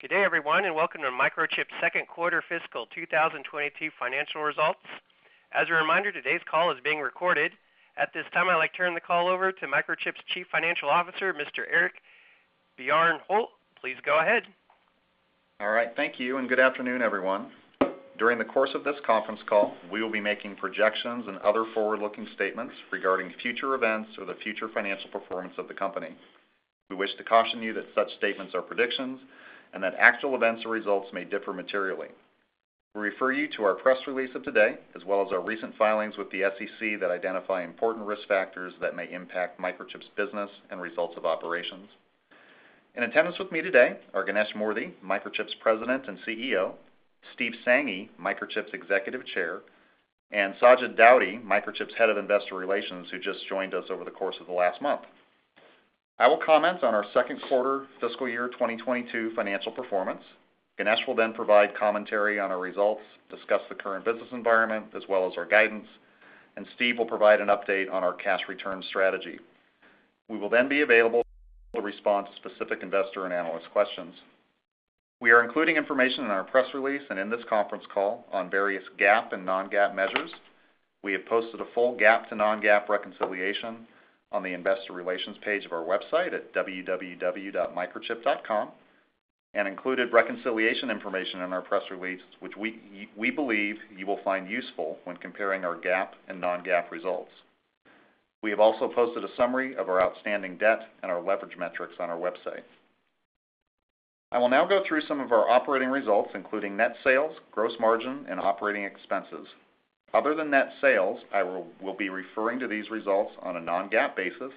Good day, everyone, and welcome to Microchip's second quarter fiscal 2022 financial results. As a reminder, today's call is being recorded. At this time, I'd like to turn the call over to Microchip's Chief Financial Officert, Mr. Eric Bjornhol. Please go ahead. All right. Thank you, and good afternoon, everyone. During the course of this conference call, we will be making projections and other forward-looking statements regarding future events or the future financial performance of the company. We wish to caution you that such statements are predictions and that actual events or results may differ materially. We refer you to our press release of today, as well as our recent filings with the SEC that identify important risk factors that may impact Microchip's business and results of operations. In attendance with me today are Ganesh Moorthy, Microchip's President and CEO, Steve Sanghi, Microchip's Executive Chair, and Sajid Daudi, Microchip's Head of Investor Relations, who just joined us over the course of the last month. I will comment on our second quarter fiscal year 2022 financial performance. Ganesh will then provide commentary on our results, discuss the current business environment, as well as our guidance, and Steve will provide an update on our cash return strategy. We will then be available to respond to specific investor and analyst questions. We are including information in our press release and in this conference call on various GAAP and Non-GAAP measures. We have posted a full GAAP to Non-GAAP reconciliation on the investor relations page of our website at www.microchip.com and included reconciliation information in our press release, which we believe you will find useful when comparing our GAAP and Non-GAAP results. We have also posted a summary of our outstanding debt and our leverage metrics on our website. I will now go through some of our operating results, including net sales, gross margin, and operating expenses. Other than net sales, I will be referring to these results on a Non-GAAP basis,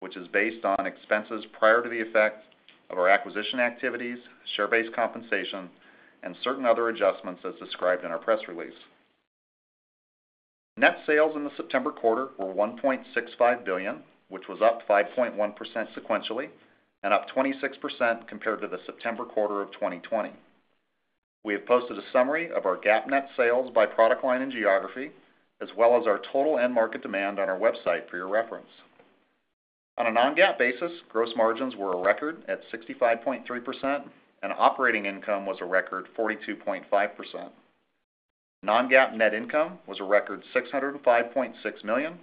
which is based on expenses prior to the effect of our acquisition activities, share-based compensation, and certain other adjustments as described in our press release. Net sales in the September quarter were $1.65 billion, which was up 5.1% sequentially and up 26% compared to the September quarter of 2020. We have posted a summary of our GAAP net sales by product line and geography, as well as our total end market demand on our website for your reference. On a Non-GAAP basis, gross margins were a record at 65.3%, and operating income was a record 42.5%. Non-GAAP net income was a record $605.6 million.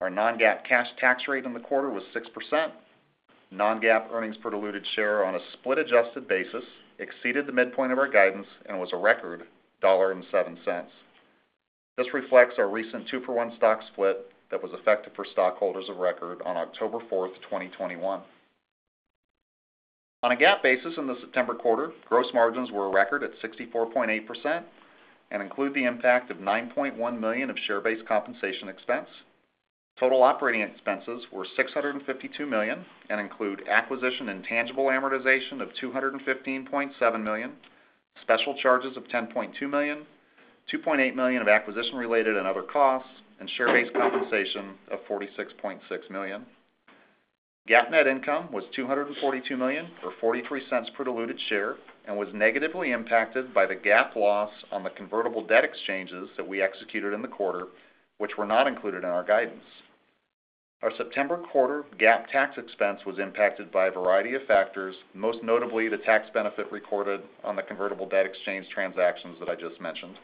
Our Non-GAAP cash tax rate in the quarter was 6%. Non-GAAP earnings per diluted share on a split adjusted basis exceeded the midpoint of our guidance and was a record $1.07. This reflects our recent two-for-one stock split that was effective for stockholders of record on October 4, 2021. On a GAAP basis in the September quarter, gross margins were a record at 64.8% and include the impact of $9.1 million of share-based compensation expense. Total operating expenses were $652 million and include acquisition and tangible amortization of $215.7 million, special charges of $10.2 million, $2.8 million of acquisition-related and other costs, and share-based compensation of $46.6 million. GAAP net income was $242 million, or $0.43 per diluted share, and was negatively impacted by the GAAP loss on the convertible debt exchanges that we executed in the quarter, which were not included in our guidance. Our September quarter GAAP tax expense was impacted by a variety of factors, most notably the tax benefit recorded on the convertible debt exchange transactions that I just mentioned.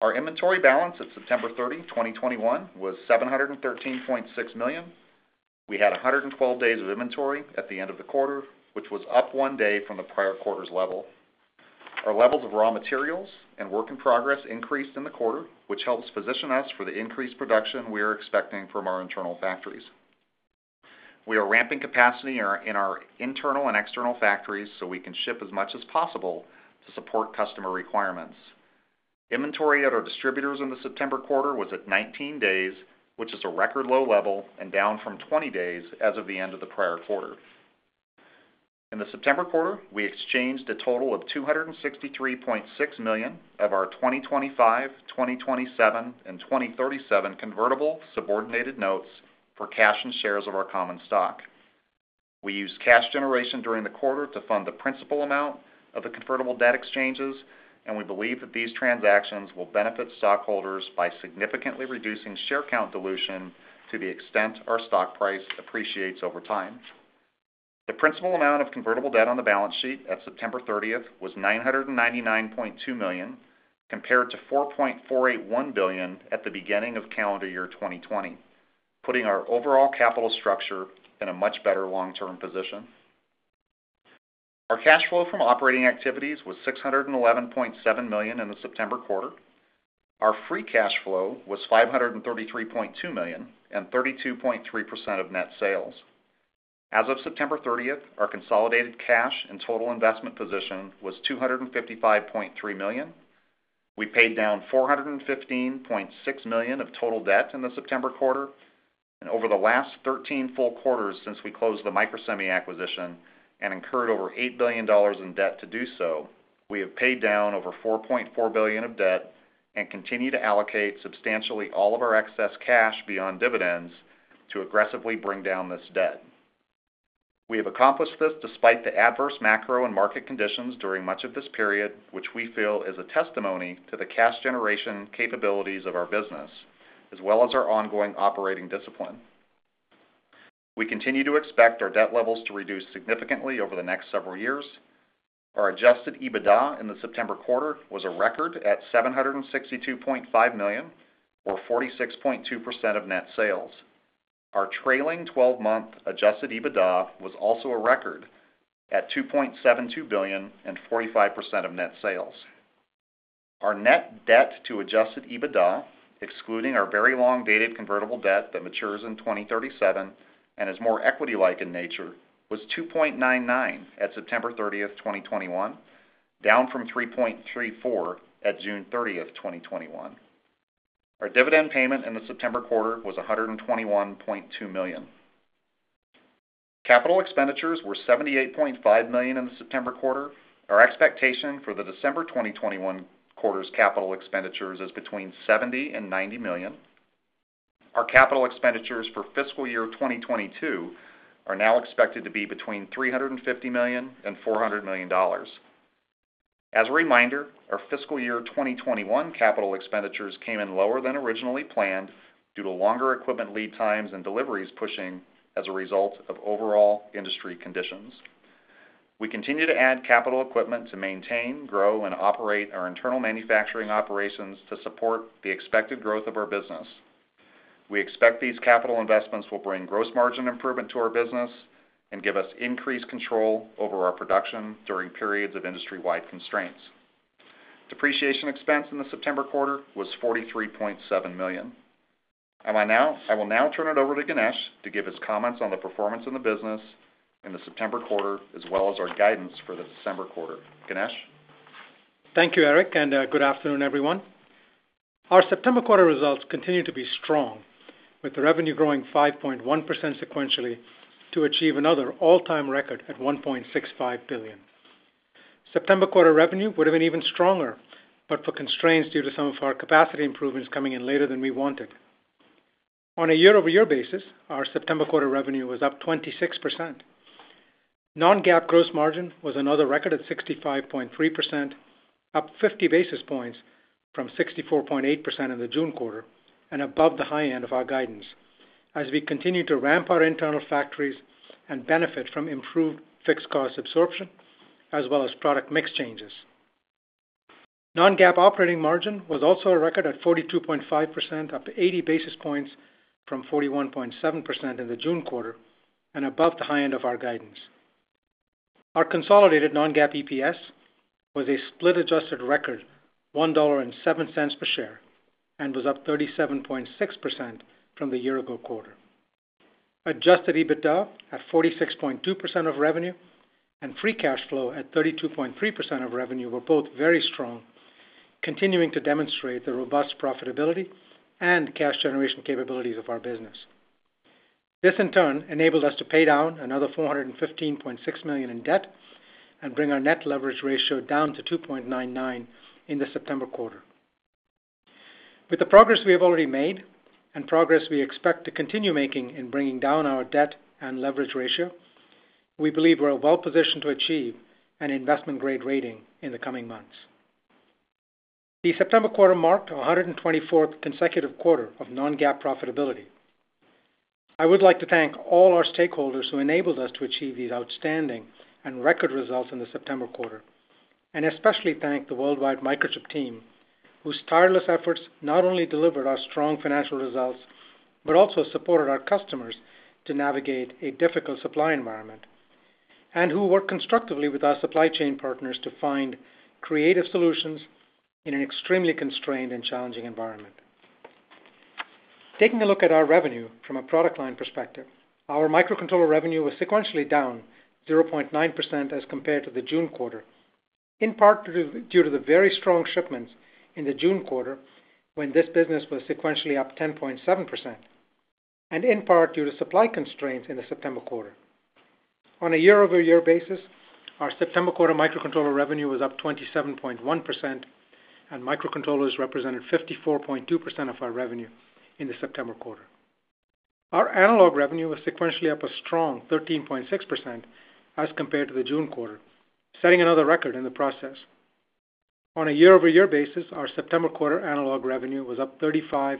Our inventory balance at September 30, 2021 was $713.6 million. We had 112 days of inventory at the end of the quarter, which was up one day from the prior quarter's level. Our levels of raw materials and work in progress increased in the quarter, which helps position us for the increased production we are expecting from our internal factories. We are ramping capacity in our internal and external factories so we can ship as much as possible to support customer requirements. Inventory at our distributors in the September quarter was at 19 days, which is a record low level and down from 20 days as of the end of the prior quarter. In the September quarter, we exchanged a total of $263.6 million of our 2025, 2027, and 2037 convertible subordinated notes for cash and shares of our common stock. We used cash generation during the quarter to fund the principal amount of the convertible debt exchanges, and we believe that these transactions will benefit stockholders by significantly reducing share count dilution to the extent our stock price appreciates over time. The principal amount of convertible debt on the balance sheet at September 30 was $999.2 million, compared to $4.481 billion at the beginning of calendar year 2020, putting our overall capital structure in a much better long-term position. Our cash flow from operating activities was $611.7 million in the September quarter. Our free cash flow was $533.2 million and 32.3% of net sales. As of September 30, our consolidated cash and total investment position was $255.3 million. We paid down $415.6 million of total debt in the September quarter. Over the last 13 full quarters since we closed the Microsemi acquisition and incurred over $8 billion in debt to do so, we have paid down over $4.4 billion of debt and continue to allocate substantially all of our excess cash beyond dividends to aggressively bring down this debt. We have accomplished this despite the adverse macro and market conditions during much of this period, which we feel is a testimony to the cash generation capabilities of our business, as well as our ongoing operating discipline. We continue to expect our debt levels to reduce significantly over the next several years. Our adjusted EBITDA in the September quarter was a record at $762.5 million, or 46.2% of net sales. Our trailing twelve-month adjusted EBITDA was also a record at $2.72 billion and 45% of net sales. Our net debt to adjusted EBITDA, excluding our very long dated convertible debt that matures in 2037 and is more equity-like in nature, was 2.99 at September 30, 2021, down from 3.34 at June 30, 2021. Our dividend payment in the September quarter was $121.2 million. Capital expenditures were $78.5 million in the September quarter. Our expectation for the December 2021 quarter's capital expenditures is between $70 million and $90 million. Our capital expenditures for fiscal year 2022 are now expected to be between $350 million and $400 million. As a reminder, our fiscal year 2021 capital expenditures came in lower than originally planned due to longer equipment lead times and deliveries pushing as a result of overall industry conditions. We continue to add capital equipment to maintain, grow, and operate our internal manufacturing operations to support the expected growth of our business. We expect these capital investments will bring gross margin improvement to our business and give us increased control over our production during periods of industry-wide constraints. Depreciation expense in the September quarter was $43.7 million. I will now turn it over to Ganesh to give his comments on the performance in the business in the September quarter, as well as our guidance for the December quarter. Ganesh? Thank you, Eric, and good afternoon, everyone. Our September quarter results continue to be strong, with the revenue growing 5.1% sequentially to achieve another all-time record at $1.65 billion. September quarter revenue would have been even stronger, but for constraints due to some of our capacity improvements coming in later than we wanted. On a year-over-year basis, our September quarter revenue was up 26%. non-GAAP gross margin was another record at 65.3%, up 50 basis points from 64.8% in the June quarter and above the high end of our guidance as we continue to ramp our internal factories and benefit from improved fixed cost absorption as well as product mix changes. Non-GAAP operating margin was also a record at 42.5%, up 80 basis points from 41.7% in the June quarter and above the high end of our guidance. Our consolidated Non-GAAP EPS was a split adjusted record, $1.07 per share, and was up 37.6% from the year ago quarter. Adjusted EBITDA at 46.2% of revenue and free cash flow at 32.3% of revenue were both very strong, continuing to demonstrate the robust profitability and cash generation capabilities of our business. This, in turn, enabled us to pay down another $415.6 million in debt and bring our net leverage ratio down to 2.99 in the September quarter. With the progress we have already made and progress we expect to continue making in bringing down our debt and leverage ratio, we believe we're well positioned to achieve an investment-grade rating in the coming months. The September quarter marked our 124th consecutive quarter of non-GAAP profitability. I would like to thank all our stakeholders who enabled us to achieve these outstanding and record results in the September quarter, and especially thank the worldwide Microchip team, whose tireless efforts not only delivered our strong financial results, but also supported our customers to navigate a difficult supply environment and who work constructively with our supply chain partners to find creative solutions in an extremely constrained and challenging environment. Taking a look at our revenue from a product line perspective, our microcontroller revenue was sequentially down 0.9% as compared to the June quarter. In part due to the very strong shipments in the June quarter when this business was sequentially up 10.7%, and in part due to supply constraints in the September quarter. On a year-over-year basis, our September quarter microcontroller revenue was up 27.1%, and microcontrollers represented 54.2% of our revenue in the September quarter. Our analog revenue was sequentially up a strong 13.6% as compared to the June quarter, setting another record in the process. On a year-over-year basis, our September quarter analog revenue was up 35.8%.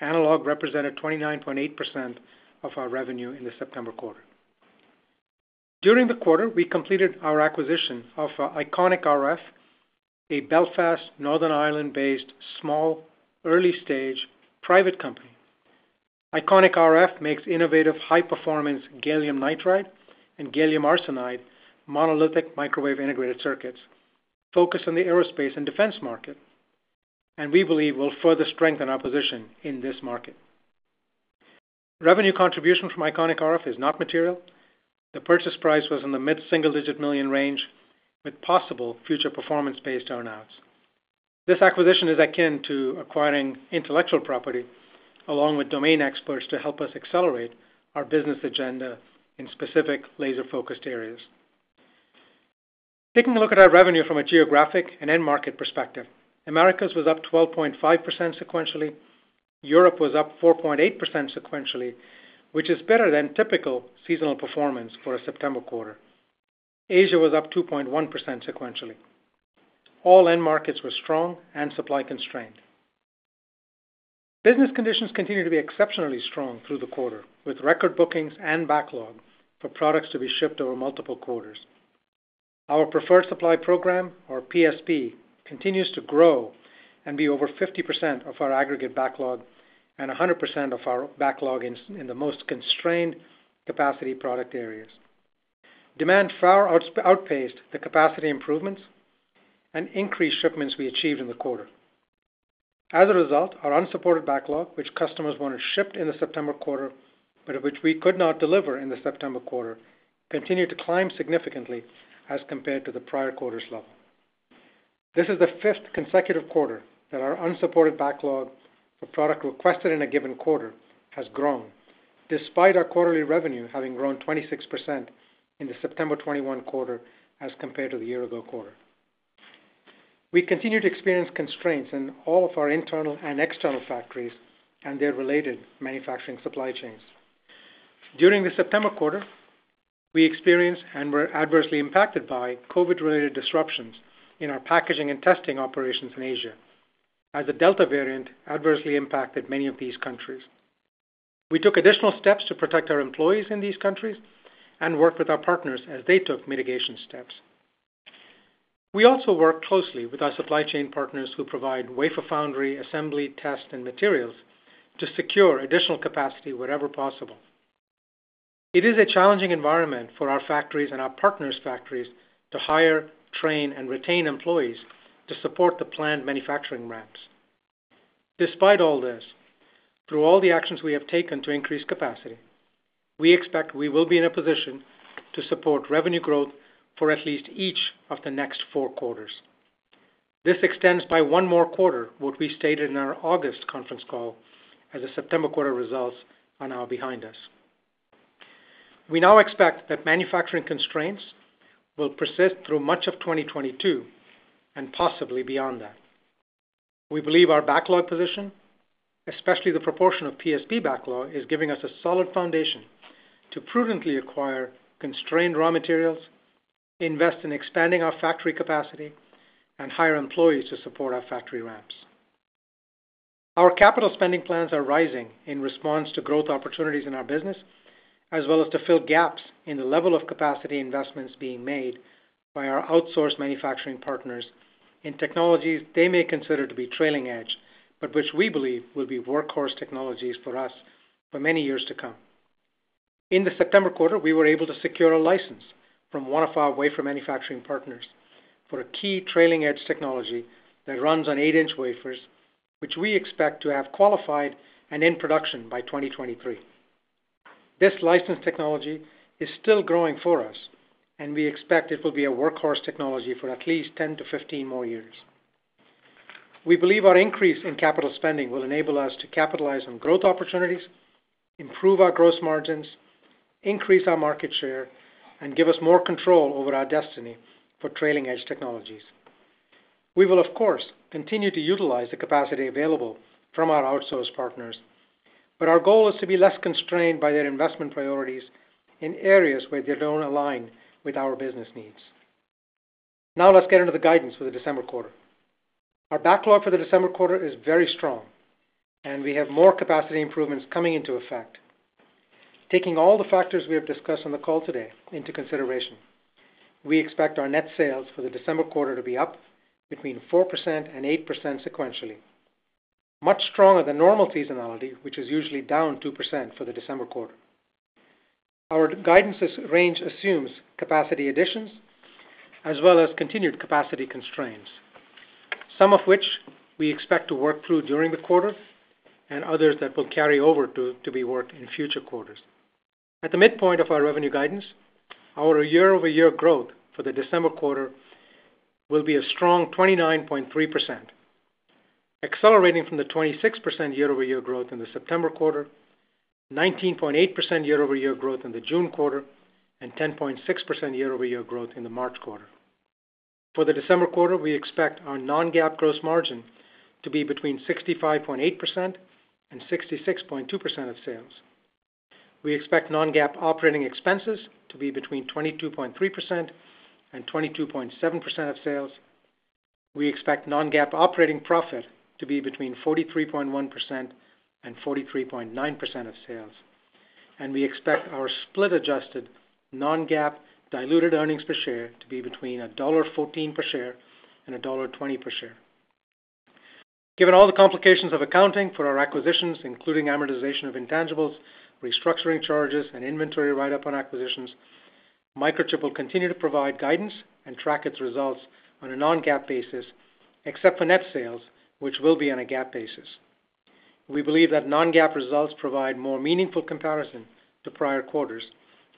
Analog represented 29.8% of our revenue in the September quarter. During the quarter, we completed our acquisition of Iconic RF, a Belfast, Northern Ireland-based, small, early stage private company. Iconic RF makes innovative, high-performance gallium nitride and gallium arsenide monolithic microwave integrated circuits focused on the aerospace and defense market, and we believe will further strengthen our position in this market. Revenue contribution from Iconic RF is not material. The purchase price was in the mid-single-digit $ million range, with possible future performance-based earn-outs. This acquisition is akin to acquiring intellectual property, along with domain experts to help us accelerate our business agenda in specific laser-focused areas. Taking a look at our revenue from a geographic and end-market perspective, Americas was up 12.5% sequentially. Europe was up 4.8% sequentially, which is better than typical seasonal performance for a September quarter. Asia was up 2.1% sequentially. All end markets were strong and supply constrained. Business conditions continue to be exceptionally strong through the quarter, with record bookings and backlog for products to be shipped over multiple quarters. Our Preferred Supply Program, or PSP, continues to grow and be over 50% of our aggregate backlog and 100% of our backlog in the most constrained capacity product areas. Demand far outpaced the capacity improvements and increased shipments we achieved in the quarter. As a result, our unsupported backlog, which customers want to ship in the September quarter, but which we could not deliver in the September quarter, continued to climb significantly as compared to the prior quarter's level. This is the fifth consecutive quarter that our unsupported backlog of product requested in a given quarter has grown, despite our quarterly revenue having grown 26% in the September 2021 quarter as compared to the year ago quarter. We continue to experience constraints in all of our internal and external factories and their related manufacturing supply chains. During the September quarter, we experienced and were adversely impacted by COVID-related disruptions in our packaging and testing operations in Asia as the Delta variant adversely impacted many of these countries. We took additional steps to protect our employees in these countries and worked with our partners as they took mitigation steps. We also work closely with our supply chain partners who provide wafer foundry, assembly, test, and materials to secure additional capacity wherever possible. It is a challenging environment for our factories and our partners' factories to hire, train, and retain employees to support the planned manufacturing ramps. Despite all this, through all the actions we have taken to increase capacity, we expect we will be in a position to support revenue growth for at least each of the next four quarters. This extends by one more quarter what we stated in our August conference call as the September quarter results are now behind us. We now expect that manufacturing constraints will persist through much of 2022 and possibly beyond that. We believe our backlog position, especially the proportion of PSP backlog, is giving us a solid foundation to prudently acquire constrained raw materials, invest in expanding our factory capacity, and hire employees to support our factory ramps. Our capital spending plans are rising in response to growth opportunities in our business, as well as to fill gaps in the level of capacity investments being made by our outsourced manufacturing partners in technologies they may consider to be trailing edge, but which we believe will be workhorse technologies for us for many years to come. In the September quarter, we were able to secure a license from one of our wafer manufacturing partners for a key trailing edge technology that runs on 8 inch wafers, which we expect to have qualified and in production by 2023. This licensed technology is still growing for us, and we expect it will be a workhorse technology for at least 10-15 more years. We believe our increase in capital spending will enable us to capitalize on growth opportunities, improve our gross margins, increase our market share, and give us more control over our destiny for trailing edge technologies. We will, of course, continue to utilize the capacity available from our outsource partners, but our goal is to be less constrained by their investment priorities in areas where they don't align with our business needs. Now let's get into the guidance for the December quarter. Our backlog for the December quarter is very strong, and we have more capacity improvements coming into effect. Taking all the factors we have discussed on the call today into consideration, we expect our net sales for the December quarter to be up between 4% and 8% sequentially, much stronger than normal seasonality, which is usually down 2% for the December quarter. Our guidance's range assumes capacity additions as well as continued capacity constraints, some of which we expect to work through during the quarter and others that will carry over to be worked in future quarters. At the midpoint of our revenue guidance, our year-over-year growth for the December quarter will be a strong 29.3%, accelerating from the 26% year-over-year growth in the September quarter, 19.8% year-over-year growth in the June quarter, and 10.6% year-over-year growth in the March quarter. For the December quarter, we expect our Non-GAAP gross margin to be between 65.8% and 66.2% of sales. We expect Non-GAAP operating expenses to be between 22.3% and 22.7% of sales. We expect Non-GAAP operating profit to be between 43.1% and 43.9% of sales. We expect our split adjusted non-GAAP diluted earnings per share to be between $1.14 per share and $1.20 per share. Given all the complications of accounting for our acquisitions, including amortization of intangibles, restructuring charges, and inventory write-up on acquisitions, Microchip will continue to provide guidance and track its results on a Non-GAAP basis, except for net sales, which will be on a GAAP basis. We believe that Non-GAAP results provide more meaningful comparison to prior quarters,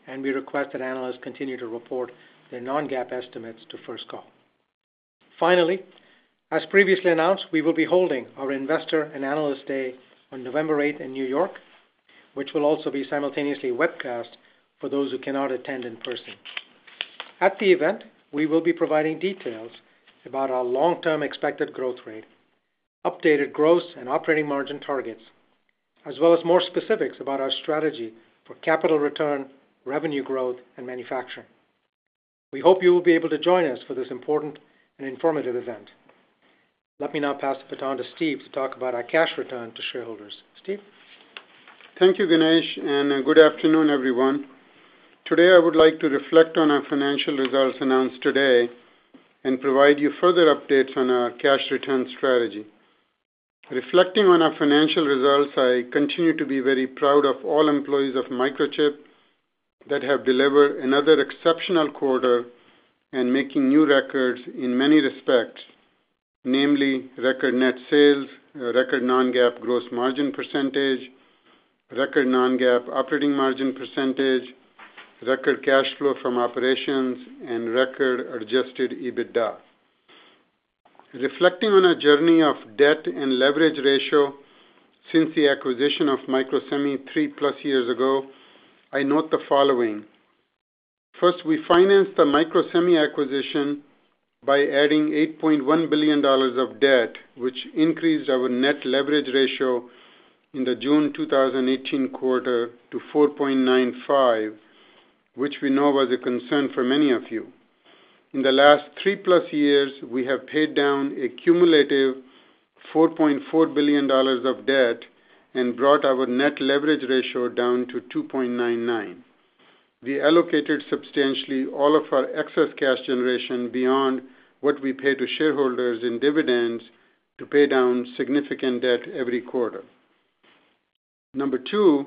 and we request that analysts continue to report their Non-GAAP estimates to first call. Finally, as previously announced, we will be holding our Investor and Analyst Day on November eighth in New York, which will also be simultaneously webcast for those who cannot attend in person. At the event, we will be providing details about our long-term expected growth rate, updated gross and operating margin targets. As well as more specifics about our strategy for capital return, revenue growth, and manufacturing. We hope you will be able to join us for this important and informative event. Let me now pass the baton to Steve to talk about our cash return to shareholders. Steve? Thank you, Ganesh, and good afternoon, everyone. Today, I would like to reflect on our financial results announced today and provide you further updates on our cash return strategy. Reflecting on our financial results, I continue to be very proud of all employees of Microchip that have delivered another exceptional quarter and making new records in many respects, namely record net sales, record Non-GAAP gross margin percentage, record Non-GAAP operating margin percentage, record cash flow from operations, and record adjusted EBITDA. Reflecting on our journey of debt and leverage ratio since the acquisition of Microsemi three-plus years ago, I note the following. First, we financed the Microsemi acquisition by adding $8.1 billion of debt, which increased our net leverage ratio in the June 2018 quarter to 4.95, which we know was a concern for many of you. In the last 3+ years, we have paid down a cumulative $4.4 billion of debt and brought our net leverage ratio down to 2.99. We allocated substantially all of our excess cash generation beyond what we pay to shareholders in dividends to pay down significant debt every quarter. Number two,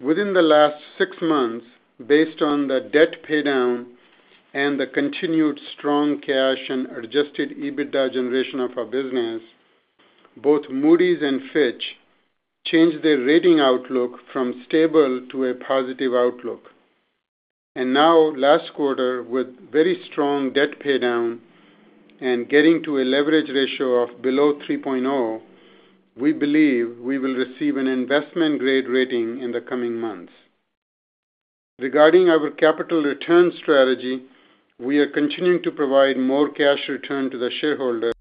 within the last six months, based on the debt pay down and the continued strong cash and adjusted EBITDA generation of our business, both Moody's and Fitch changed their rating outlook from stable to a positive outlook. Now last quarter, with very strong debt pay down and getting to a leverage ratio of below 3.0, we believe we will receive an investment-grade rating in the coming months. Regarding our capital return strategy, we are continuing to provide more cash return to the shareholder.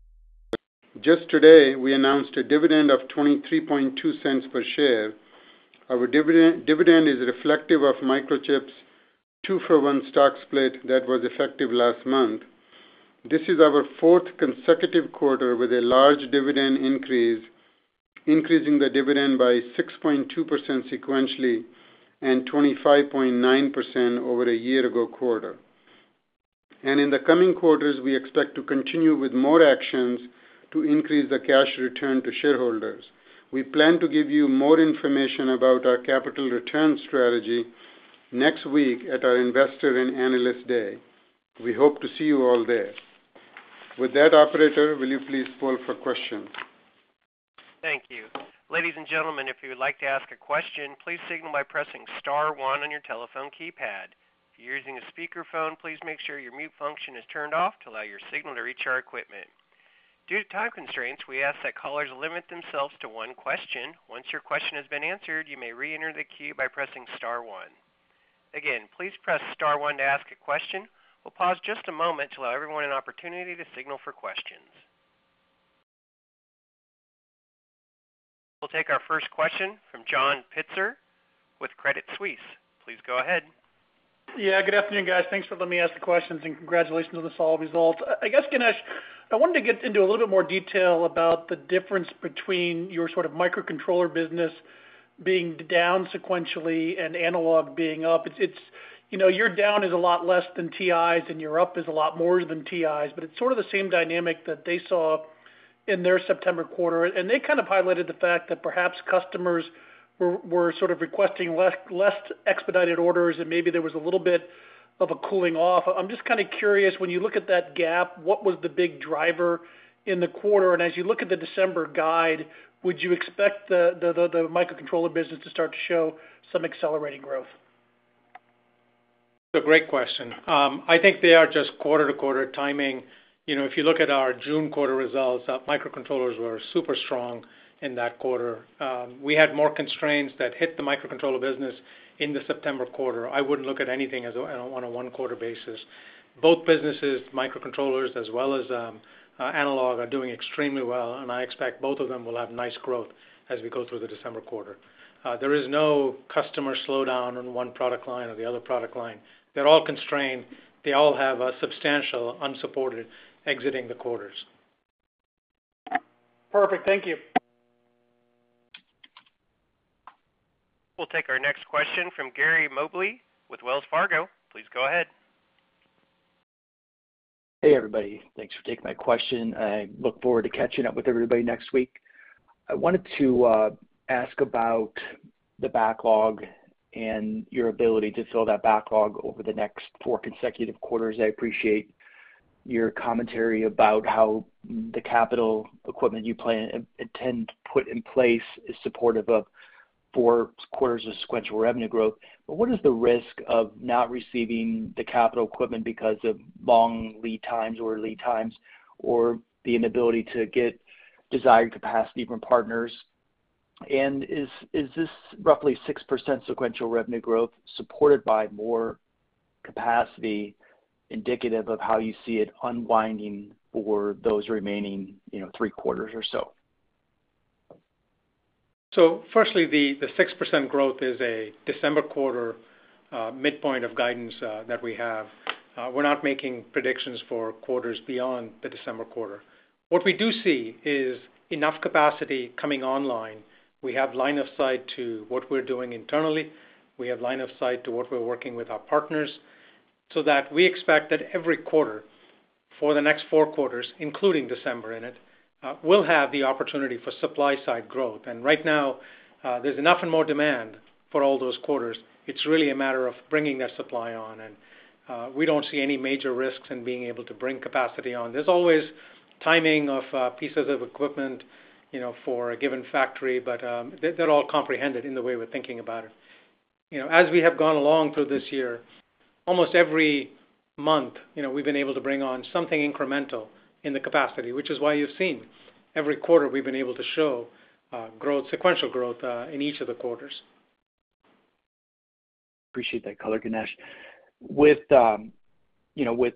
Just today, we announced a dividend of $0.232 per share. Our dividend is reflective of Microchip's two for one stock split that was effective last month. This is our fourth consecutive quarter with a large dividend increase, increasing the dividend by 6.2% sequentially and 25.9% over a year-ago quarter. In the coming quarters, we expect to continue with more actions to increase the cash return to shareholders. We plan to give you more information about our capital return strategy next week at our Investor and Analyst Day. We hope to see you all there. With that, operator, will you please poll for questions? Thank you. Ladies and gentlemen, if you would like to ask a question, please signal by pressing star one on your telephone keypad. If you're using a speakerphone, please make sure your mute function is turned off to allow your signal to reach our equipment. Due to time constraints, we ask that callers limit themselves to one question. Once your question has been answered, you may reenter the queue by pressing star one. Again, please press star one to ask a question. We'll pause just a moment to allow everyone an opportunity to signal for questions. We'll take our first question from John Pitzer with Credit Suisse. Please go ahead. Yeah, good afternoon, guys. Thanks for letting me ask the questions, and congratulations on the solid results. I guess, Ganesh, I wanted to get into a little bit more detail about the difference between your sort of microcontroller business being down sequentially and analog being up. It's, you know, your down is a lot less than TI's, and your up is a lot more than TI's, but it's sort of the same dynamic that they saw in their September quarter. They kind of highlighted the fact that perhaps customers were sort of requesting less expedited orders, and maybe there was a little bit of a cooling off. I'm just kinda curious, when you look at that gap, what was the big driver in the quarter? As you look at the December guide, would you expect the microcontroller business to start to show some accelerating growth? It's a great question. I think they are just quarter-to-quarter timing. You know, if you look at our June quarter results, microcontrollers were super strong in that quarter. We had more constraints that hit the microcontroller business in the September quarter. I wouldn't look at anything as on a one quarter basis. Both businesses, microcontrollers as well as analog, are doing extremely well, and I expect both of them will have nice growth as we go through the December quarter. There is no customer slowdown on one product line or the other product line. They're all constrained. They all have a substantial backlog exiting the quarters. Perfect. Thank you. We'll take our next question from Gary Mobley with Wells Fargo. Please go ahead. Hey, everybody. Thanks for taking my question. I look forward to catching up with everybody next week. I wanted to ask about the backlog and your ability to fill that backlog over the next four consecutive quarters. I appreciate your commentary about how the capital equipment you intend to put in place is supportive of four quarters of sequential revenue growth. What is the risk of not receiving the capital equipment because of long lead times or the inability to get desired capacity from partners? Is this roughly 6% sequential revenue growth supported by more capacity indicative of how you see it unwinding for those remaining, you know, three quarters or so? Firstly, the 6% growth is a December quarter midpoint of guidance that we have. We're not making predictions for quarters beyond the December quarter. What we do see is enough capacity coming online. We have line of sight to what we're doing internally, we have line of sight to what we're working with our partners, so that we expect that every quarter for the next four quarters, including December in it, we'll have the opportunity for supply side growth. Right now, there's enough and more demand for all those quarters. It's really a matter of bringing that supply on, and we don't see any major risks in being able to bring capacity on. There's always timing of pieces of equipment, you know, for a given factory, but they're all comprehended in the way we're thinking about it. You know, as we have gone along through this year, almost every month, you know, we've been able to bring on something incremental in the capacity, which is why you've seen every quarter we've been able to show, growth, sequential growth, in each of the quarters. Appreciate that color, Ganesh. With you know, with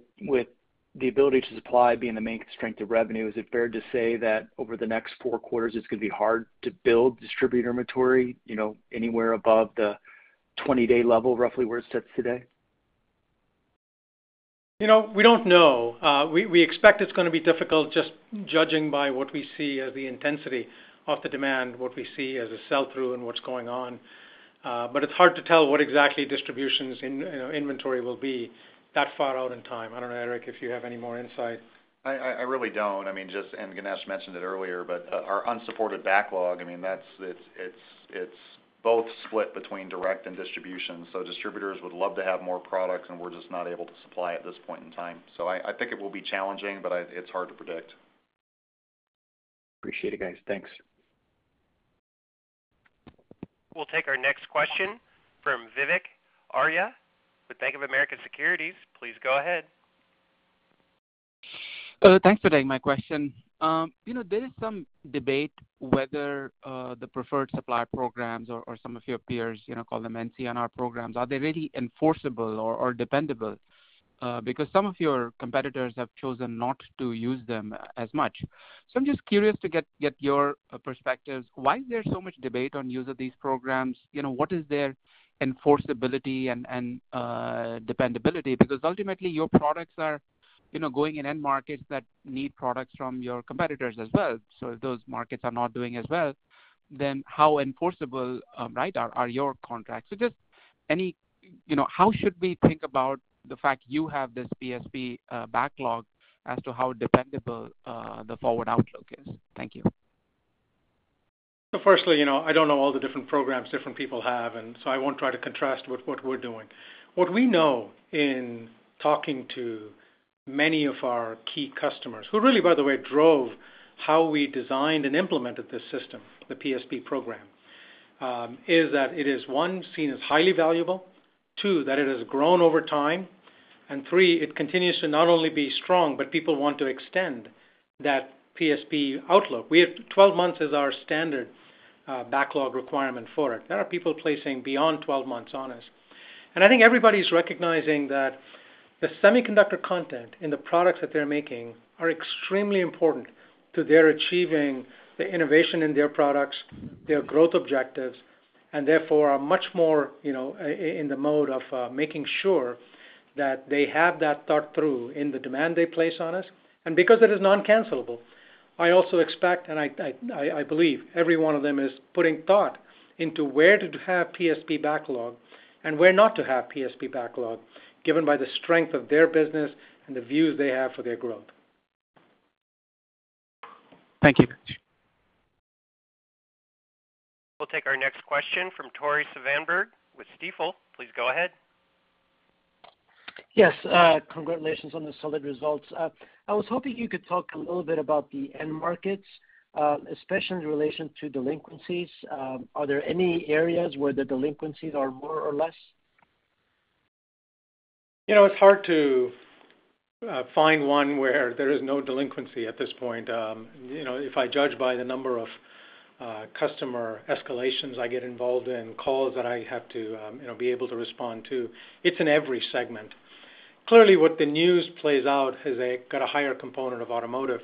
the ability to supply being the main strength of revenue, is it fair to say that over the next four quarters it's gonna be hard to build distributor inventory, you know, anywhere above the 20 day level, roughly where it sits today? You know, we don't know. We expect it's gonna be difficult just judging by what we see as the intensity of the demand, what we see as a sell-through and what's going on. It's hard to tell what exactly distribution's in, you know, inventory will be that far out in time. I don't know, Eric, if you have any more insight. I really don't. I mean, just, and Ganesh mentioned it earlier, but our unsupported backlog, I mean, that's, it's both split between direct and distribution. Distributors would love to have more products, and we're just not able to supply at this point in time. I think it will be challenging, but it's hard to predict. Appreciate it, guys. Thanks. We'll take our next question from Vivek Arya with Bank of America Securities. Please go ahead. Thanks for taking my question. You know, there is some debate whether the preferred supplier programs or some of your peers you know call them NCNR programs are they really enforceable or dependable? Because some of your competitors have chosen not to use them as much. I'm just curious to get your perspectives. Why is there so much debate on use of these programs? You know, what is their enforceability and dependability? Because ultimately, your products are going in end markets that need products from your competitors as well. If those markets are not doing as well, then how enforceable are your contracts? Just any, you know, how should we think about the fact you have this PSP backlog as to how dependable the forward outlook is? Thank you. Firstly, you know, I don't know all the different programs different people have, and so I won't try to contrast with what we're doing. What we know in talking to many of our key customers, who really by the way drove how we designed and implemented this system, the PSP Program, is that it is, one, seen as highly valuable. Two, that it has grown over time. Three, it continues to not only be strong, but people want to extend that PSP outlook. We have to 12 months as our standard backlog requirement for it. There are people placing beyond 12 months on us. I think everybody's recognizing that the semiconductor content in the products that they're making are extremely important to their achieving the innovation in their products, their growth objectives, and therefore are much more, you know, in the mode of making sure that they have that thought through in the demand they place on us. Because it is non-cancelable, I also expect, and I believe every one of them is putting thought into where to have PSP backlog and where not to have PSP backlog, given by the strength of their business and the views they have for their growth. Thank you. We'll take our next question from Tore Svanberg with Stifel. Please go ahead. Yes, congratulations on the solid results. I was hoping you could talk a little bit about the end markets, especially in relation to delinquencies. Are there any areas where the delinquencies are more or less? You know, it's hard to find one where there is no delinquency at this point. You know, if I judge by the number of customer escalations I get involved in, calls that I have to you know, be able to respond to, it's in every segment. Clearly, what the news plays out got a higher component of automotive,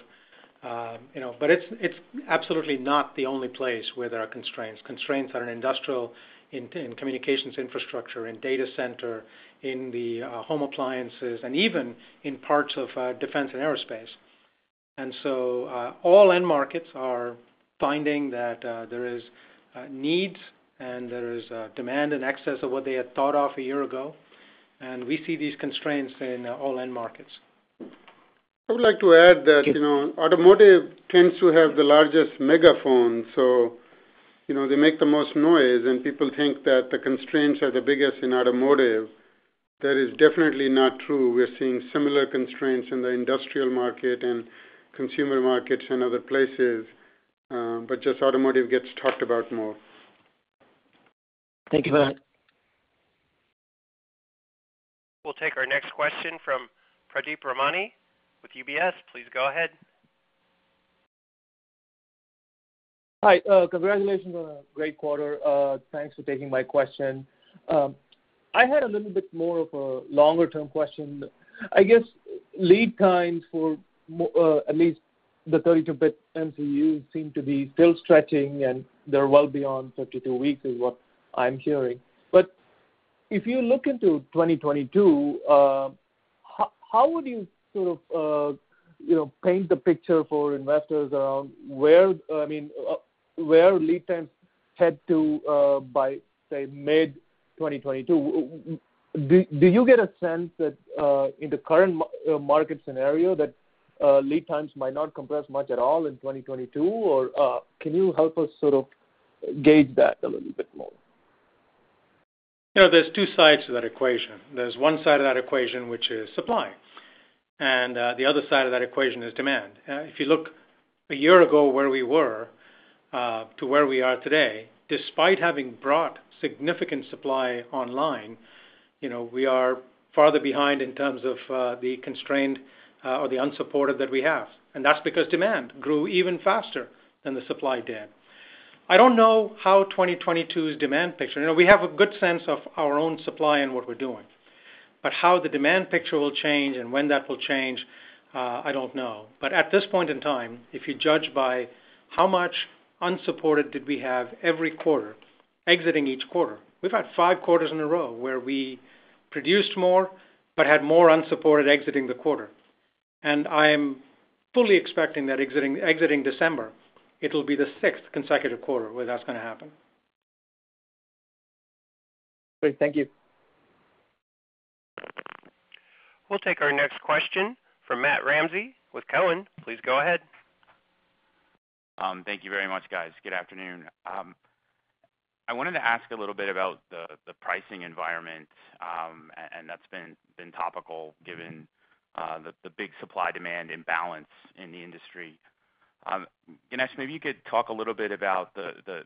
you know. But it's absolutely not the only place where there are constraints. Constraints are in industrial, in communications infrastructure, in data center, in the home appliances, and even in parts of defense and aerospace. All end markets are finding that there is needs and there is demand in excess of what they had thought of a year ago, and we see these constraints in all end markets. I would like to add that. You know, automotive tends to have the largest megaphone, so, you know, they make the most noise, and people think that the constraints are the biggest in automotive. That is definitely not true. We're seeing similar constraints in the industrial market and consumer markets and other places, but just automotive gets talked about more. Thank you for that. We'll take our next question from Pradeep Ramani with UBS. Please go ahead. Hi, congratulations on a great quarter. Thanks for taking my question. I had a little bit more of a longer-term question. I guess lead times for or at least the 32-bit MCUs seem to be still stretching, and they're well beyond 52 weeks is what I'm hearing. If you look into 2022, how would you sort of, you know, paint the picture for investors around where, I mean, where lead times head to, by, say, mid-2022? Do you get a sense that, in the current market scenario that, lead times might not compress much at all in 2022? Can you help us sort of gauge that a little bit more? You know, there's two sides to that equation. There's one side of that equation, which is supply, and the other side of that equation is demand. If you look a year ago where we were to where we are today, despite having brought significant supply online, you know, we are farther behind in terms of the constraint or the unsupported that we have. That's because demand grew even faster than the supply did. I don't know how 2022's demand picture. You know, we have a good sense of our own supply and what we're doing. How the demand picture will change and when that will change, I don't know. At this point in time, if you judge by how much unshipped did we have every quarter, exiting each quarter, we've had five quarters in a row where we produced more, but had more unshipped exiting the quarter. I'm fully expecting that exiting December, it'll be the sixth consecutive quarter where that's gonna happen. Great. Thank you. We'll take our next question from Matt Ramsay with Cowen. Please go ahead. Thank you very much, guys. Good afternoon. I wanted to ask a little bit about the pricing environment, and that's been topical given the big supply-demand imbalance in the industry. Ganesh, maybe you could talk a little bit about the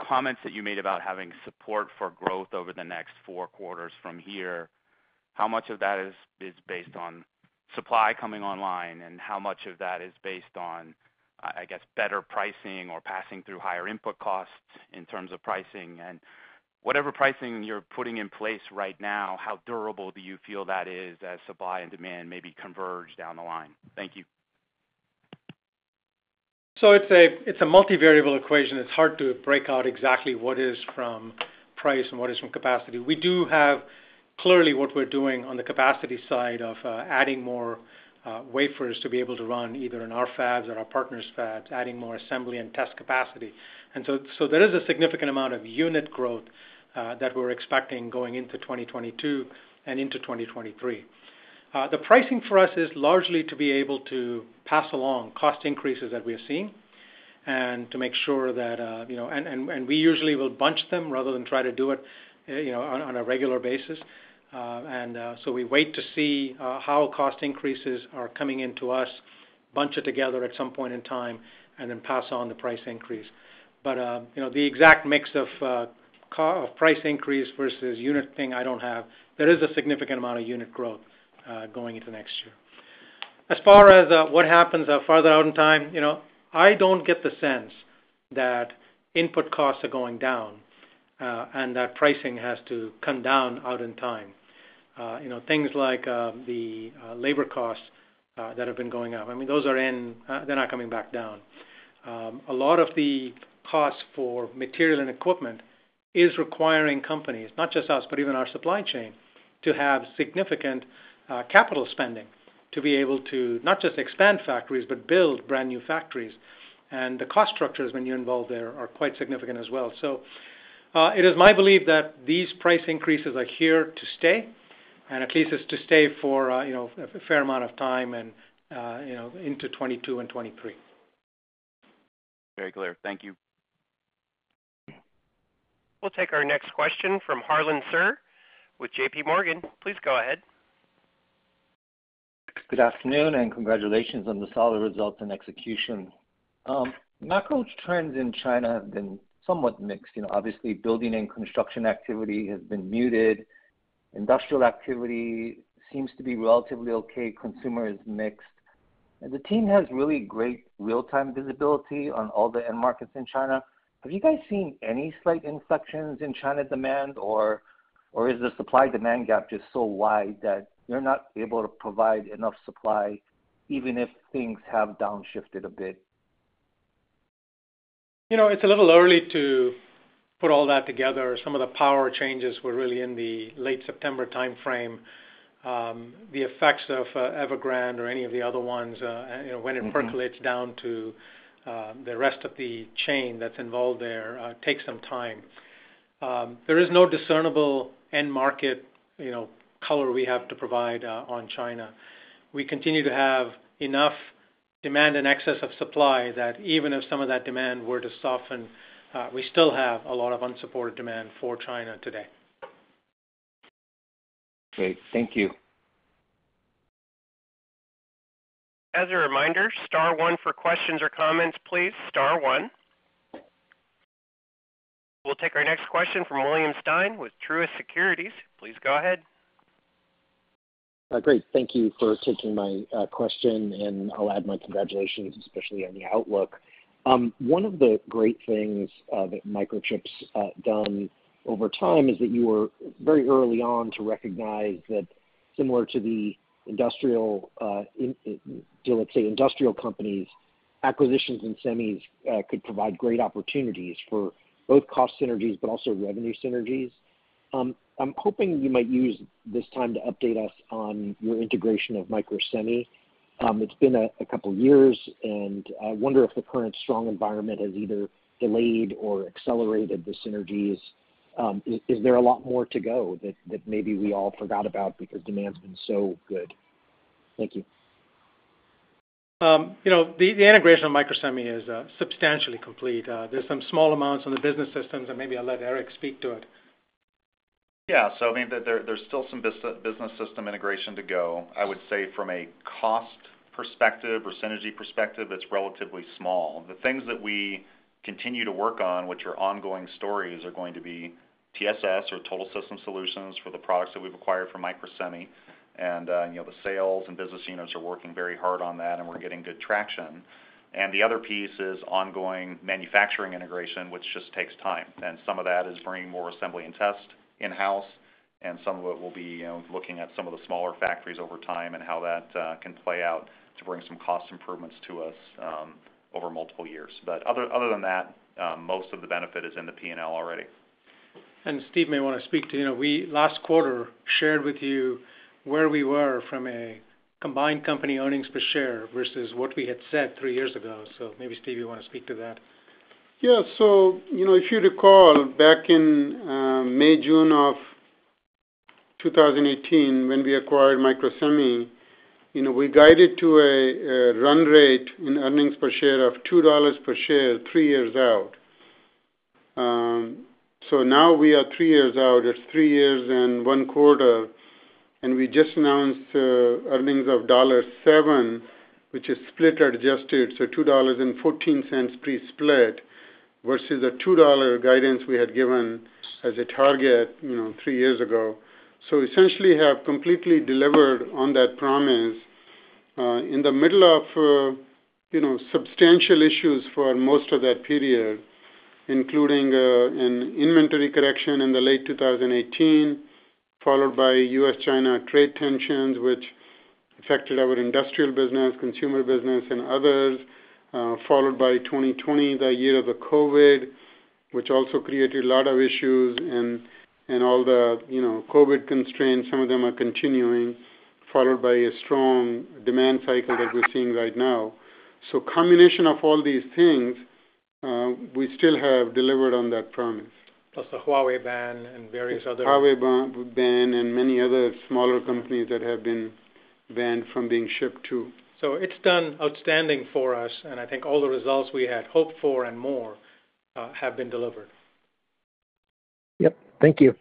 comments that you made about having support for growth over the next four quarters from here. How much of that is based on supply coming online, and how much of that is based on, I guess, better pricing or passing through higher input costs in terms of pricing? Whatever pricing you're putting in place right now, how durable do you feel that is as supply and demand maybe converge down the line? Thank you. It's a multi-variable equation. It's hard to break out exactly what is from price and what is from capacity. We do have clearly what we're doing on the capacity side of adding more wafers to be able to run either in our fabs or our partners' fabs, adding more assembly and test capacity. There is a significant amount of unit growth that we're expecting going into 2022 and into 2023. The pricing for us is largely to be able to pass along cost increases that we are seeing and to make sure that, you know, and we usually will bunch them rather than try to do it, you know, on a regular basis. We wait to see how cost increases are coming into us, bunch it together at some point in time, and then pass on the price increase. You know, the exact mix of price increase versus unit thing I don't have. There is a significant amount of unit growth going into next year. As far as what happens farther out in time, you know, I don't get the sense that input costs are going down and that pricing has to come down out in time. You know, things like the labor costs that have been going up, I mean, those are in, they're not coming back down. A lot of the costs for material and equipment is requiring companies, not just us, but even our supply chain, to have significant capital spending to be able to not just expand factories, but build brand-new factories. The cost structures when you're involved there are quite significant as well. It is my belief that these price increases are here to stay, and at least it's to stay for, you know, a fair amount of time and, you know, into 2022 and 2023. Very clear. Thank you. We'll take our next question from Harlan Sur with JP Morgan. Please go ahead. Good afternoon, and congratulations on the solid results and execution. Macro trends in China have been somewhat mixed. Obviously building and construction activity has been muted. Industrial activity seems to be relatively okay. Consumer is mixed. The team has really great real-time visibility on all the end markets in China. Have you guys seen any slight inflections in China demand, or is the supply-demand gap just so wide that you're not able to provide enough supply even if things have downshifted a bit? You know, it's a little early to put all that together. Some of the power changes were really in the late September timeframe. The effects of Evergrande or any of the other ones, you know, when it percolates down to the rest of the chain that's involved there, takes some time. There is no discernible end market, you know, color we have to provide on China. We continue to have enough demand and excess of supply that even if some of that demand were to soften, we still have a lot of unsupported demand for China today. Great. Thank you. As a reminder, star one for questions or comments, please. Star one. We'll take our next question from William Stein with Truist Securities. Please go ahead. Great. Thank you for taking my question, and I'll add my congratulations, especially on the outlook. One of the great things that Microchip's done over time is that you were very early on to recognize that similar to the industrial, let's say, industrial companies, acquisitions and semis could provide great opportunities for both cost synergies but also revenue synergies. I'm hoping you might use this time to update us on your integration of Microsemi. It's been a couple years, and I wonder if the current strong environment has either delayed or accelerated the synergies. Is there a lot more to go that maybe we all forgot about because demand's been so good? Thank you. You know, the integration of Microsemi is substantially complete. There's some small amounts on the business systems, and maybe I'll let Eric speak to it. Yeah. I mean, there's still some business system integration to go. I would say from a cost perspective or synergy perspective, it's relatively small. The things that we continue to work on, which are ongoing stories, are going to be TSS or Total System Solutions for the products that we've acquired from Microsemi. You know, the sales and business units are working very hard on that, and we're getting good traction. The other piece is ongoing manufacturing integration, which just takes time. Some of that is bringing more assembly and test in-house, and some of it will be looking at some of the smaller factories over time and how that can play out to bring some cost improvements to us over multiple years. Other than that, most of the benefit is in the P&L already. Steve may wanna speak to, you know, we last quarter shared with you where we were from a combined company earnings per share versus what we had said three years ago. Maybe, Steve, you wanna speak to that. Yeah. You know, if you recall back in May, June of 2018 when we acquired Microsemi, you know, we guided to a run rate in earnings per share of $2 per share, three years out. Now we are three years out. It's three years and one quarter, and we just announced earnings of $7, which is split or adjusted, so $2.14 pre-split versus a $2 guidance we had given as a target, you know, three years ago. Essentially we have completely delivered on that promise in the middle of, you know, substantial issues for most of that period, including an inventory correction in the late 2018, followed by US-China trade tensions, which affected our industrial business, consumer business and others, followed by 2020, the year of the COVID, which also created a lot of issues and all the, you know, COVID constraints, some of them are continuing, followed by a strong demand cycle that we're seeing right now. Combination of all these things, we still have delivered on that promise. The Huawei ban and various other. Huawei ban and many other smaller companies that have been banned from being shipped to. It's done outstanding for us, and I think all the results we had hoped for and more have been delivered. Yep. Thank you.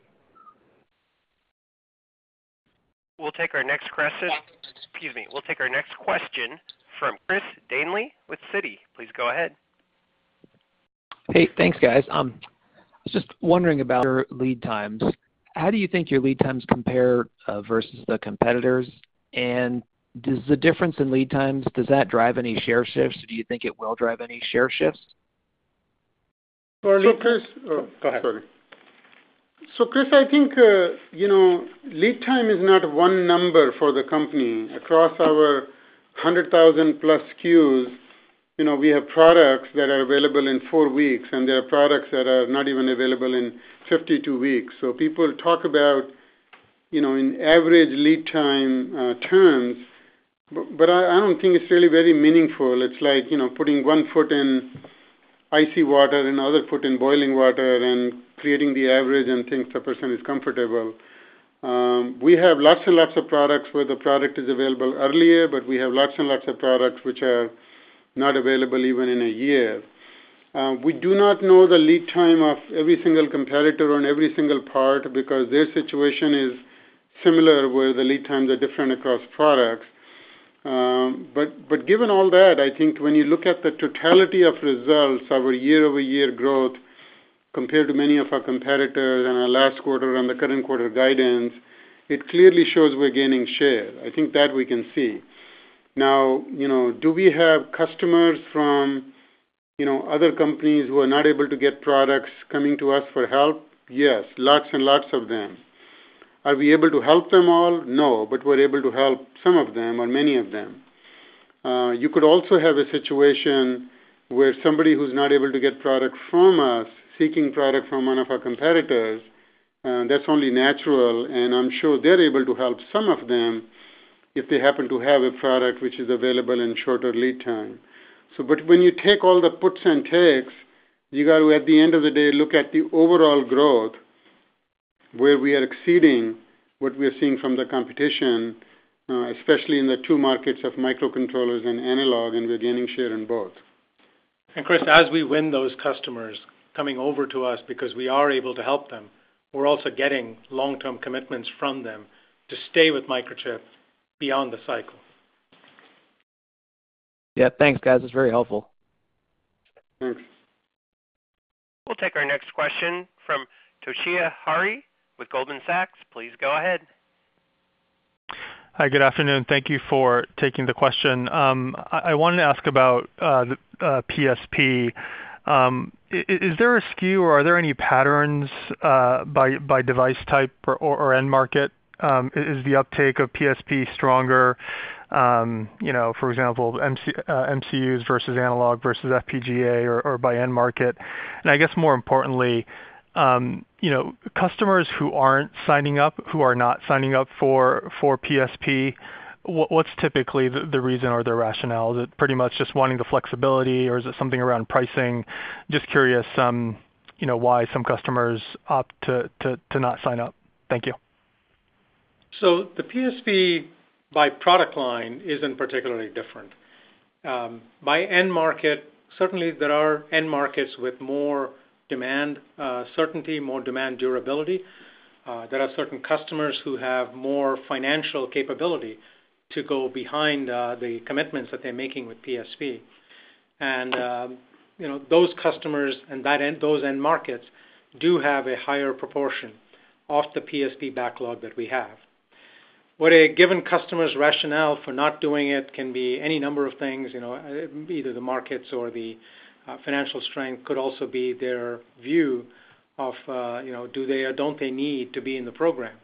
We'll take our next question. Excuse me. We'll take our next question from Chris Danely with Citi. Please go ahead. Hey, thanks, guys. I was just wondering about lead times. How do you think your lead times compare versus the competitors? Does the difference in lead times, does that drive any share shifts? Do you think it will drive any share shifts? Chris- Chris- Oh, go ahead. Sorry. Chris, I think you know, lead time is not one number for the company. Across our 100,000+ SKUs, you know, we have products that are available in 4 weeks, and there are products that are not even available in 52 weeks. People talk about, you know, in average lead time terms, but I don't think it's really very meaningful. It's like, you know, putting one foot in icy water and other foot in boiling water and creating the average and think the person is comfortable. We have lots and lots of products where the product is available earlier, but we have lots and lots of products which are not available even in a year. We do not know the lead time of every single competitor on every single part because their situation is similar, where the lead times are different across products. Given all that, I think when you look at the totality of results, our year-over-year growth compared to many of our competitors and our last quarter and the current quarter guidance, it clearly shows we're gaining share. I think that we can see. Now, you know, do we have customers from, you know, other companies who are not able to get products coming to us for help? Yes, lots and lots of them. Are we able to help them all? No, but we're able to help some of them or many of them. You could also have a situation where somebody who's not able to get product from us seeking product from one of our competitors, that's only natural, and I'm sure they're able to help some of them if they happen to have a product which is available in shorter lead time. When you take all the puts and takes, you gotta, at the end of the day, look at the overall growth where we are exceeding what we're seeing from the competition, especially in the two markets of microcontrollers and analog, and we're gaining share in both. Chris, as we win those customers coming over to us because we are able to help them, we're also getting long-term commitments from them to stay with Microchip beyond the cycle. Yeah. Thanks, guys. It's very helpful. We'll take our next question from Toshiya Hari with Goldman Sachs. Please go ahead. Hi, good afternoon. Thank you for taking the question. I wanted to ask about PSP. Is there a skew or are there any patterns by device type or end market? Is the uptake of PSP stronger, you know, for example, MCUs versus analog versus FPGA or by end market? I guess more importantly, you know, customers who aren't signing up, who are not signing up for PSP, what's typically the reason or the rationale? Is it pretty much just wanting the flexibility or is it something around pricing? Just curious, you know, why some customers opt to not sign up. Thank you. The PSP by product line isn't particularly different. By end market, certainly there are end markets with more demand certainty, more demand durability. There are certain customers who have more financial capability to go behind the commitments that they're making with PSP. You know, those customers and those end markets do have a higher proportion of the PSP backlog that we have. What a given customer's rationale for not doing it can be any number of things, you know, either the markets or the financial strength could also be their view of, you know, do they or don't they need to be in the program.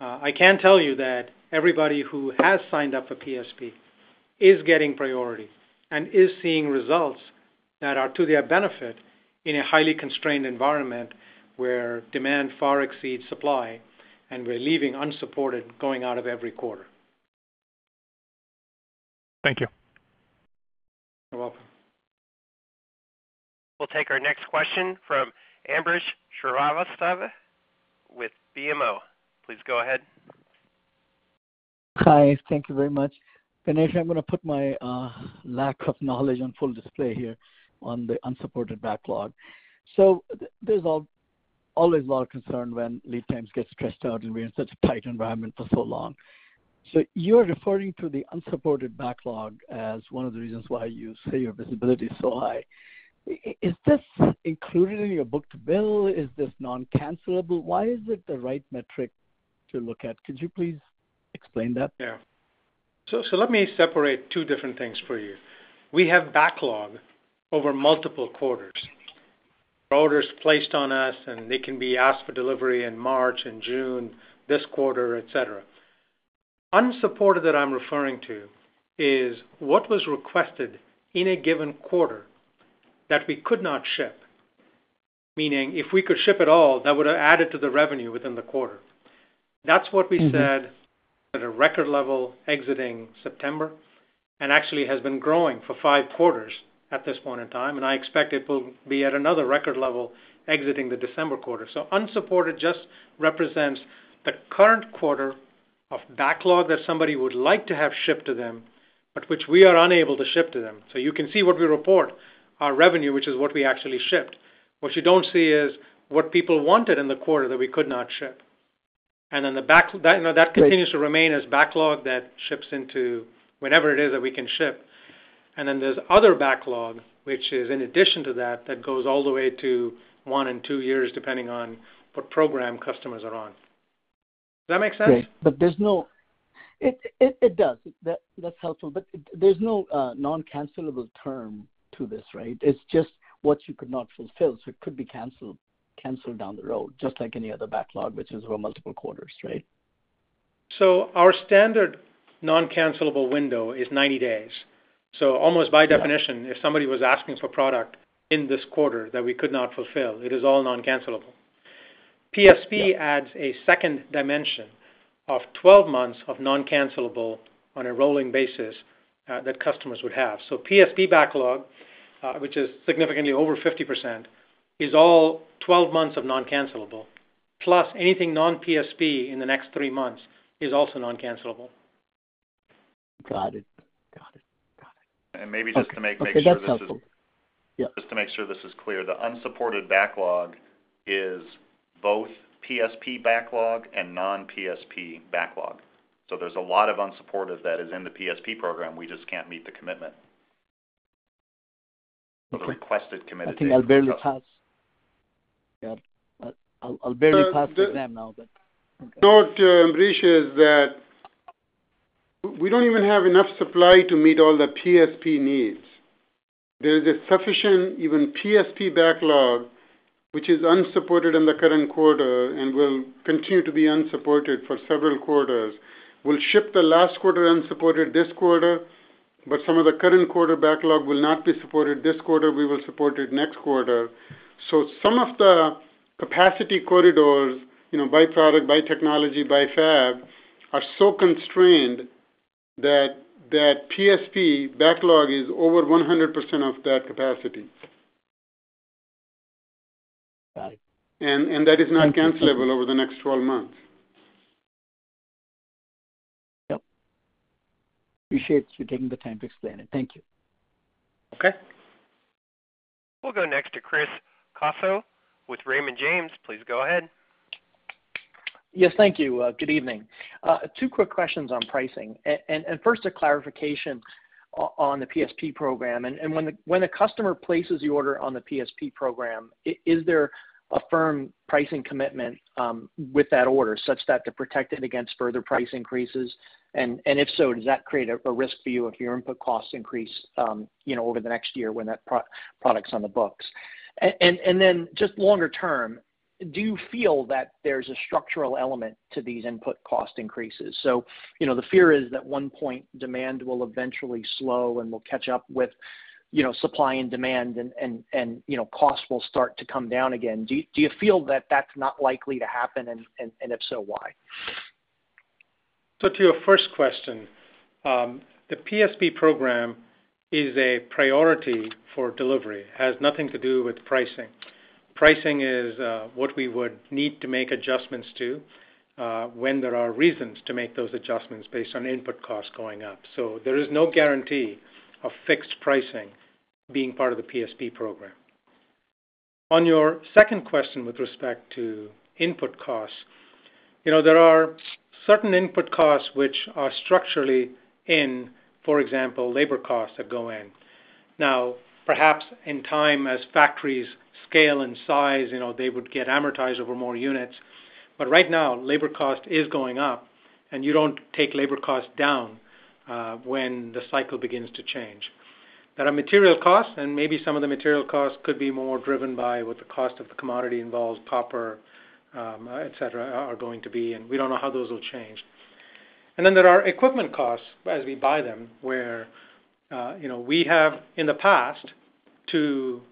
I can tell you that everybody who has signed up for PSP is getting priority and is seeing results that are to their benefit in a highly constrained environment where demand far exceeds supply, and we're leaving unsupported going out of every quarter. Thank you. You're welcome. We'll take our next question from Ambrish Srivastava with BMO. Please go ahead. Hi. Thank you very much. Ganesh Moorthy, I'm gonna put my lack of knowledge on full display here on the unsupported backlog. There's always a lot of concern when lead times get stretched out, and we're in such a tight environment for so long. You're referring to the unsupported backlog as one of the reasons why you say your visibility is so high. Is this included in your book to bill? Is this non-cancellable? Why is it the right metric to look at? Could you please explain that? Yeah. Let me separate two different things for you. We have backlog over multiple quarters. Orders placed on us, and they can be asked for delivery in March and June, this quarter, et cetera. Unshipped that I'm referring to is what was requested in a given quarter that we could not ship. Meaning if we could ship it all, that would have added to the revenue within the quarter. That's what we said at a record level exiting September and actually has been growing for five quarters at this point in time, and I expect it will be at another record level exiting the December quarter. Unshipped just represents the current quarter of backlog that somebody would like to have shipped to them, but which we are unable to ship to them. You can see what we report our revenue, which is what we actually shipped. What you don't see is what people wanted in the quarter that we could not ship. That, you know, that continues to remain as backlog that ships into whenever it is that we can ship. There's other backlog, which is in addition to that goes all the way to one and two years, depending on what program customers are on. Does that make sense? Great. It does. That's helpful. There's no noncancelable term to this, right? It's just what you could not fulfill, so it could be canceled down the road, just like any other backlog, which is over multiple quarters, right? Our standard non-cancelable window is 90 days. Almost by definition, if somebody was asking for product in this quarter that we could not fulfill, it is all non-cancelable. PSP adds a second dimension of 12 months of non-cancelable on a rolling basis, that customers would have. PSP backlog, which is significantly over 50%, is all 12 months of non-cancelable. Plus anything non-PSP in the next 3 months is also non-cancelable. Got it. Maybe just to make sure this is. Okay, that's helpful. Yeah. Just to make sure this is clear, the unsupported backlog is both PSP backlog and non-PSP backlog. There's a lot of unsupported that is in the PSP program. We just can't meet the requested commitment. I think I'll barely pass. Yeah. I'll barely pass the exam now, but okay. No, Ambrish, is that we don't even have enough supply to meet all the PSP needs. There is a sufficient even PSP backlog, which is unsupported in the current quarter and will continue to be unsupported for several quarters. We'll ship the last quarter unsupported this quarter, but some of the current quarter backlog will not be supported this quarter, we will support it next quarter. Some of the capacity corridors, you know, by product, by technology, by fab, are so constrained that that PSP backlog is over 100% of that capacity. Got it. That is non-cancelable over the next 12 months. Yep. I appreciate you taking the time to explain it. Thank you. Okay. We'll go next to Chris Caso with Raymond James. Please go ahead. Yes, thank you. Good evening. Two quick questions on pricing. First, a clarification on the PSP program. When the customer places the order on the PSP program, is there a firm pricing commitment with that order such that to protect it against further price increases? If so, does that create a risk for you if your input costs increase, you know, over the next year when that product's on the books? Just longer term, do you feel that there's a structural element to these input cost increases? You know, the fear is that at some point demand will eventually slow, and we'll catch up with supply and demand, and you know, costs will start to come down again. Do you feel that that's not likely to happen, and if so, why? To your first question, the PSP program is a priority for delivery, has nothing to do with pricing. Pricing is what we would need to make adjustments to when there are reasons to make those adjustments based on input costs going up. There is no guarantee of fixed pricing being part of the PSP program. On your second question with respect to input costs, you know, there are certain input costs which are structurally in, for example, labor costs that go in. Now, perhaps in time, as factories scale in size, you know, they would get amortized over more units. But right now, labor cost is going up, and you don't take labor costs down when the cycle begins to change. There are material costs, and maybe some of the material costs could be more driven by what the cost of the commodity involves, copper, et cetera, are going to be, and we don't know how those will change. Then there are equipment costs as we buy them, where, you know, we have in the past to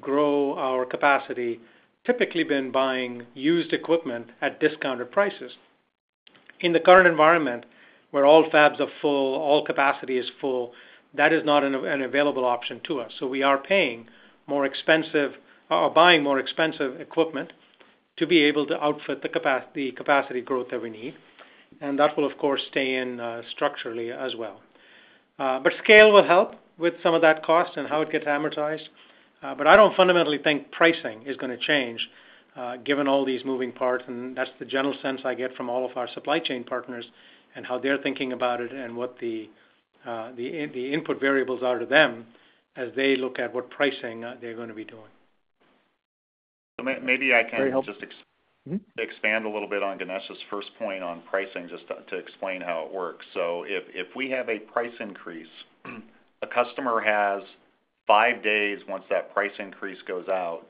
grow our capacity, typically been buying used equipment at discounted prices. In the current environment where all fabs are full, all capacity is full, that is not an available option to us. We are paying more expensive or buying more expensive equipment to be able to outfit the capacity growth that we need. That will, of course, stay in structurally as well. Scale will help with some of that cost and how it gets amortized. I don't fundamentally think pricing is gonna change, given all these moving parts, and that's the general sense I get from all of our supply chain partners and how they're thinking about it and what the input variables are to them as they look at what pricing they're gonna be doing. Maybe I can Very helpful. Expand a little bit on Ganesh's first point on pricing, just to explain how it works. If we have a price increase The customer has five days once that price increase goes out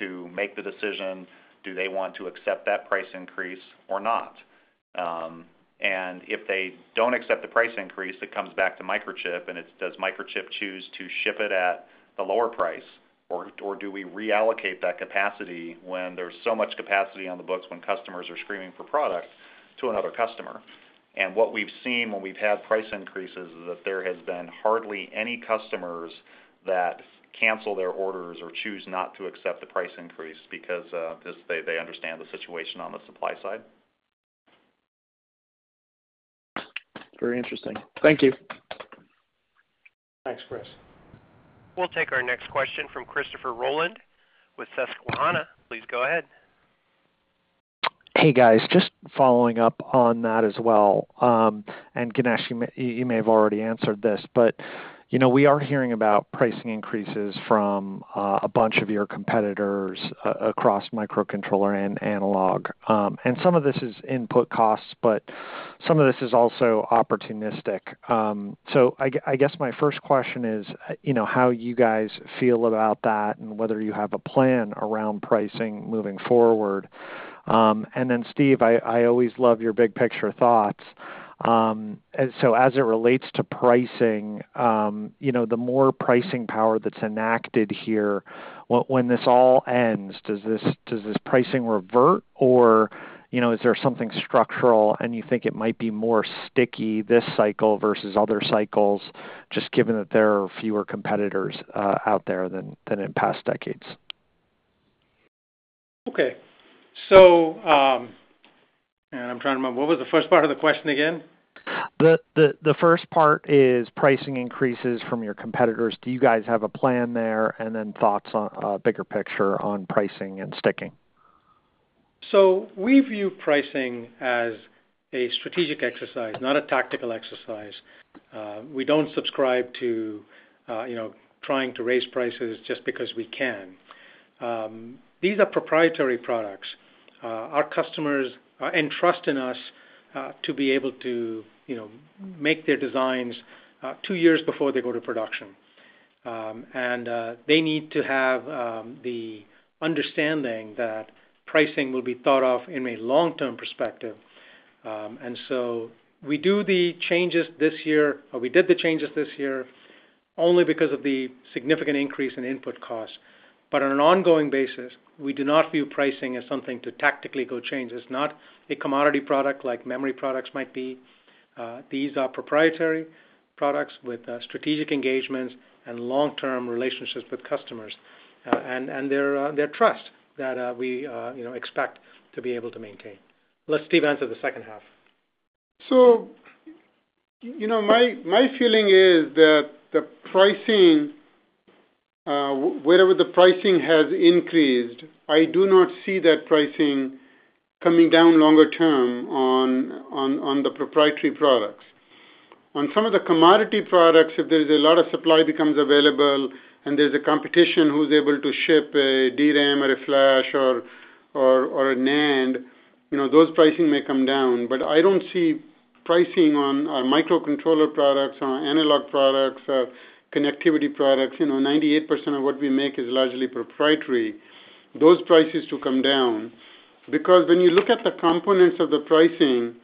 to make the decision, do they want to accept that price increase or not? If they don't accept the price increase, it comes back to Microchip, and it's, does Microchip choose to ship it at the lower price or do we reallocate that capacity when there's so much capacity on the books when customers are screaming for product to another customer? What we've seen when we've had price increases is that there has been hardly any customers that cancel their orders or choose not to accept the price increase because just they understand the situation on the supply side. Very interesting. Thank you. Thanks, Chris. We'll take our next question from Christopher Rolland with Susquehanna. Please go ahead. Hey, guys. Just following up on that as well. Ganesh, you may have already answered this, but you know, we are hearing about pricing increases from a bunch of your competitors across microcontroller and analog. Some of this is input costs, but some of this is also opportunistic. I guess my first question is, you know, how you guys feel about that and whether you have a plan around pricing moving forward. Steve, I always love your big picture thoughts. As it relates to pricing, you know, the more pricing power that's enacted here, when this all ends, does this pricing revert or, you know, is there something structural, and you think it might be more sticky this cycle versus other cycles just given that there are fewer competitors out there than in past decades? Okay. I'm trying to remember, what was the first part of the question again? The first part is pricing increases from your competitors. Do you guys have a plan there? Thoughts on bigger picture on pricing and sticking. We view pricing as a strategic exercise, not a tactical exercise. We don't subscribe to, you know, trying to raise prices just because we can. These are proprietary products. Our customers entrust in us to be able to, you know, make their designs two years before they go to production. They need to have the understanding that pricing will be thought of in a long-term perspective. We do the changes this year, or we did the changes this year only because of the significant increase in input costs. On an ongoing basis, we do not view pricing as something to tactically go change. It's not a commodity product like memory products might be. These are proprietary products with strategic engagements and long-term relationships with customers, and their trust that we, you know, expect to be able to maintain. Let Steve answer the second half. You know, my feeling is that the pricing, wherever the pricing has increased, I do not see that pricing coming down longer term on the proprietary products. On some of the commodity products, if there's a lot of supply becomes available and there's a competition who's able to ship a DRAM or a flash or a NAND, you know, those pricing may come down. But I don't see pricing on our microcontroller products, on our analog products, our connectivity products, you know, 98% of what we make is largely proprietary, those prices to come down. Because when you look at the components of the pricing,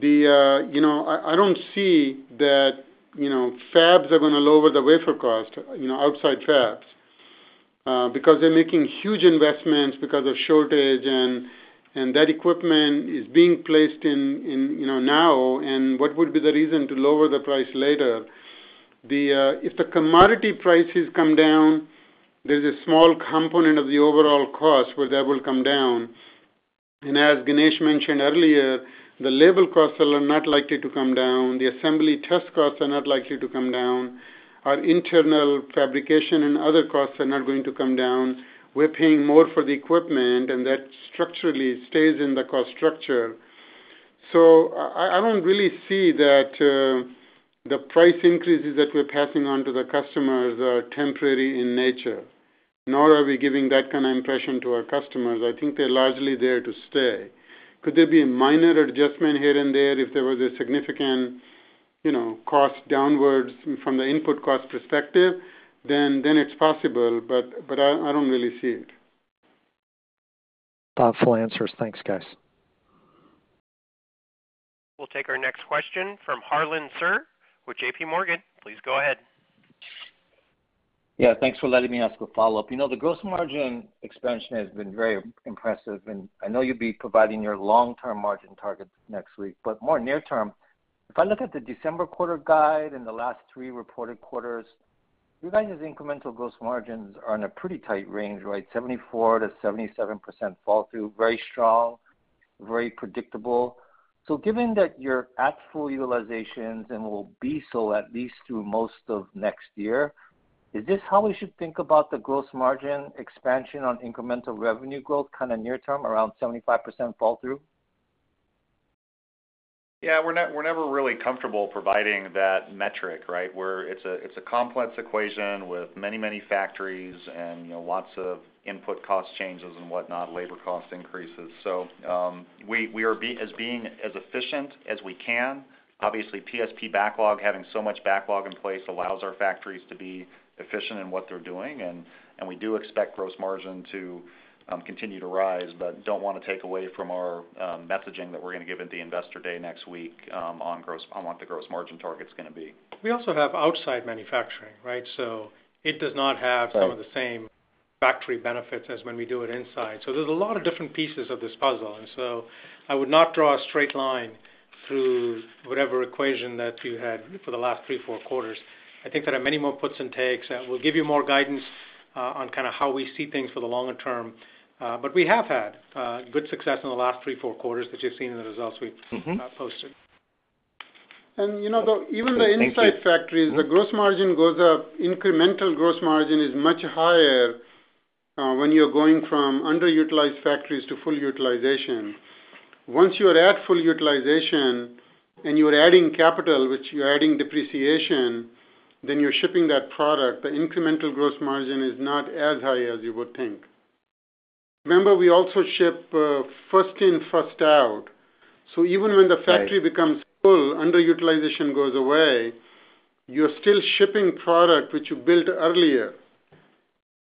you know, I don't see that, you know, fabs are gonna lower the wafer cost, you know, outside fabs, because they're making huge investments because of shortage and that equipment is being placed in, you know, now, and what would be the reason to lower the price later? If the commodity prices come down, there's a small component of the overall cost where that will come down. As Ganesh mentioned earlier, the labor costs are not likely to come down, the assembly test costs are not likely to come down. Our internal fabrication and other costs are not going to come down. We're paying more for the equipment, and that structurally stays in the cost structure. I don't really see that the price increases that we're passing on to the customers are temporary in nature, nor are we giving that kind of impression to our customers. I think they're largely there to stay. Could there be a minor adjustment here and there if there was a significant, you know, cost downwards from the input cost perspective? Then it's possible, but I don't really see it. Thoughtful answers. Thanks, guys. We'll take our next question from Harlan Sur with JP Morgan. Please go ahead. Yeah, thanks for letting me ask a follow-up. You know, the gross margin expansion has been very impressive, and I know you'll be providing your long-term margin targets next week. More near term, if I look at the December quarter guide and the last three reported quarters, you guys' incremental gross margins are in a pretty tight range, right? 74%-77% fall through, very strong, very predictable. Given that you're at full utilizations and will be so at least through most of next year, is this how we should think about the gross margin expansion on incremental revenue growth kind of near term, around 75% fall through? Yeah. We're never really comfortable providing that metric, right? It's a complex equation with many factories and, you know, lots of input cost changes and whatnot, labor cost increases. We are being as efficient as we can. Obviously, PSP backlog, having so much backlog in place allows our factories to be efficient in what they're doing, and we do expect gross margin to continue to rise, but don't wanna take away from our messaging that we're gonna give at the Investor Day next week, on what the gross margin target's gonna be. We also have outside manufacturing, right? It does not have Some of the same factory benefits as when we do it inside. There's a lot of different pieces of this puzzle, and so I would not draw a straight line through whatever equation that you had for the last three, four quarters. I think there are many more puts and takes. We'll give you more guidance on kind of how we see things for the longer term. But we have had good success in the last three, four quarters that you've seen in the results we've posted. You know, the Thank you. Even the inside factories, the gross margin goes up. Incremental gross margin is much higher when you're going from underutilized factories to full utilization. Once you are at full utilization and you are adding capital, which you're adding depreciation, then you're shipping that product, the incremental gross margin is not as high as you would think. Remember, we also ship first in, first out. Even when the factory- Right. Becomes full, underutilization goes away. You're still shipping product which you built earlier,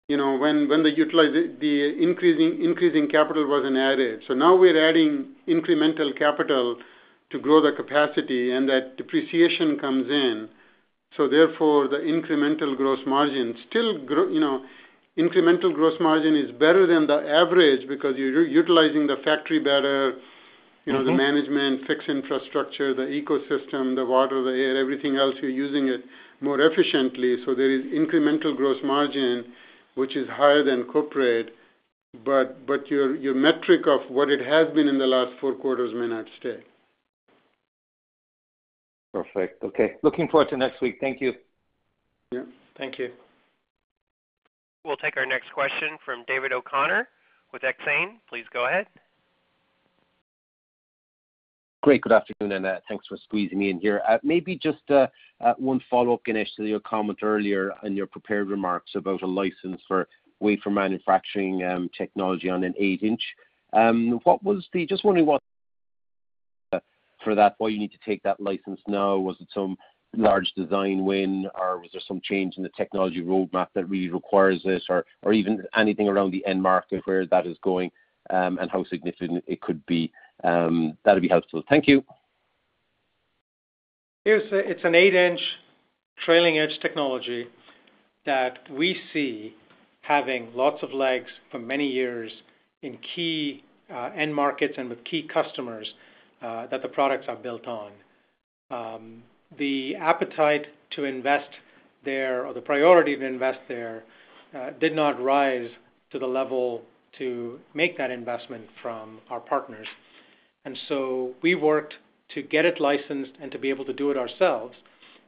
you know, when the increasing capital wasn't added. Now we're adding incremental capital to grow the capacity, and that depreciation comes in. Therefore, the incremental gross margin still grow, you know. Incremental gross margin is better than the average because you're utilizing the factory better. You know, the management, fixed infrastructure, the ecosystem, the water, the air, everything else, you're using it more efficiently. So there is incremental gross margin which is higher than corporate, but your metric of what it has been in the last four quarters may not stay. Perfect. Okay. Looking forward to next week. Thank you. Yeah. Thank you. We'll take our next question from David O'Connor with Exane. Please go ahead. Great. Good afternoon, and thanks for squeezing me in here. Maybe just one follow-up, Ganesh, to your comment earlier in your prepared remarks about a license for wafer manufacturing technology on an 8 inch. Just wondering what that was for, why you need to take that license now. Was it some large design win, or was there some change in the technology roadmap that really requires this? Or even anything around the end market, where that is going, and how significant it could be, that'll be helpful. Thank you. It's an eight-inch trailing edge technology that we see having lots of legs for many years in key end markets and with key customers that the products are built on. The appetite to invest there or the priority to invest there did not rise to the level to make that investment from our partners. We worked to get it licensed and to be able to do it ourselves,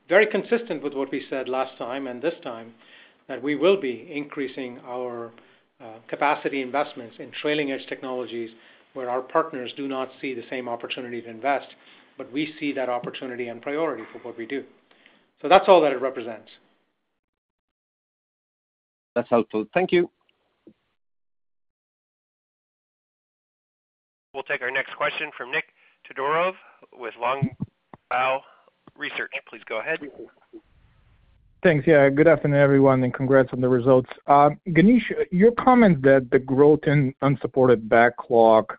very consistent with what we said last time and this time that we will be increasing our capacity investments in trailing edge technologies where our partners do not see the same opportunity to invest, but we see that opportunity and priority for what we do. That's all that it represents. That's helpful. Thank you. We'll take our next question from Nikolay Todorov with Longbow Research. Please go ahead. Thanks. Yeah. Good afternoon, everyone, and congrats on the results. Ganesh, your comment that the growth in unsupported backlog,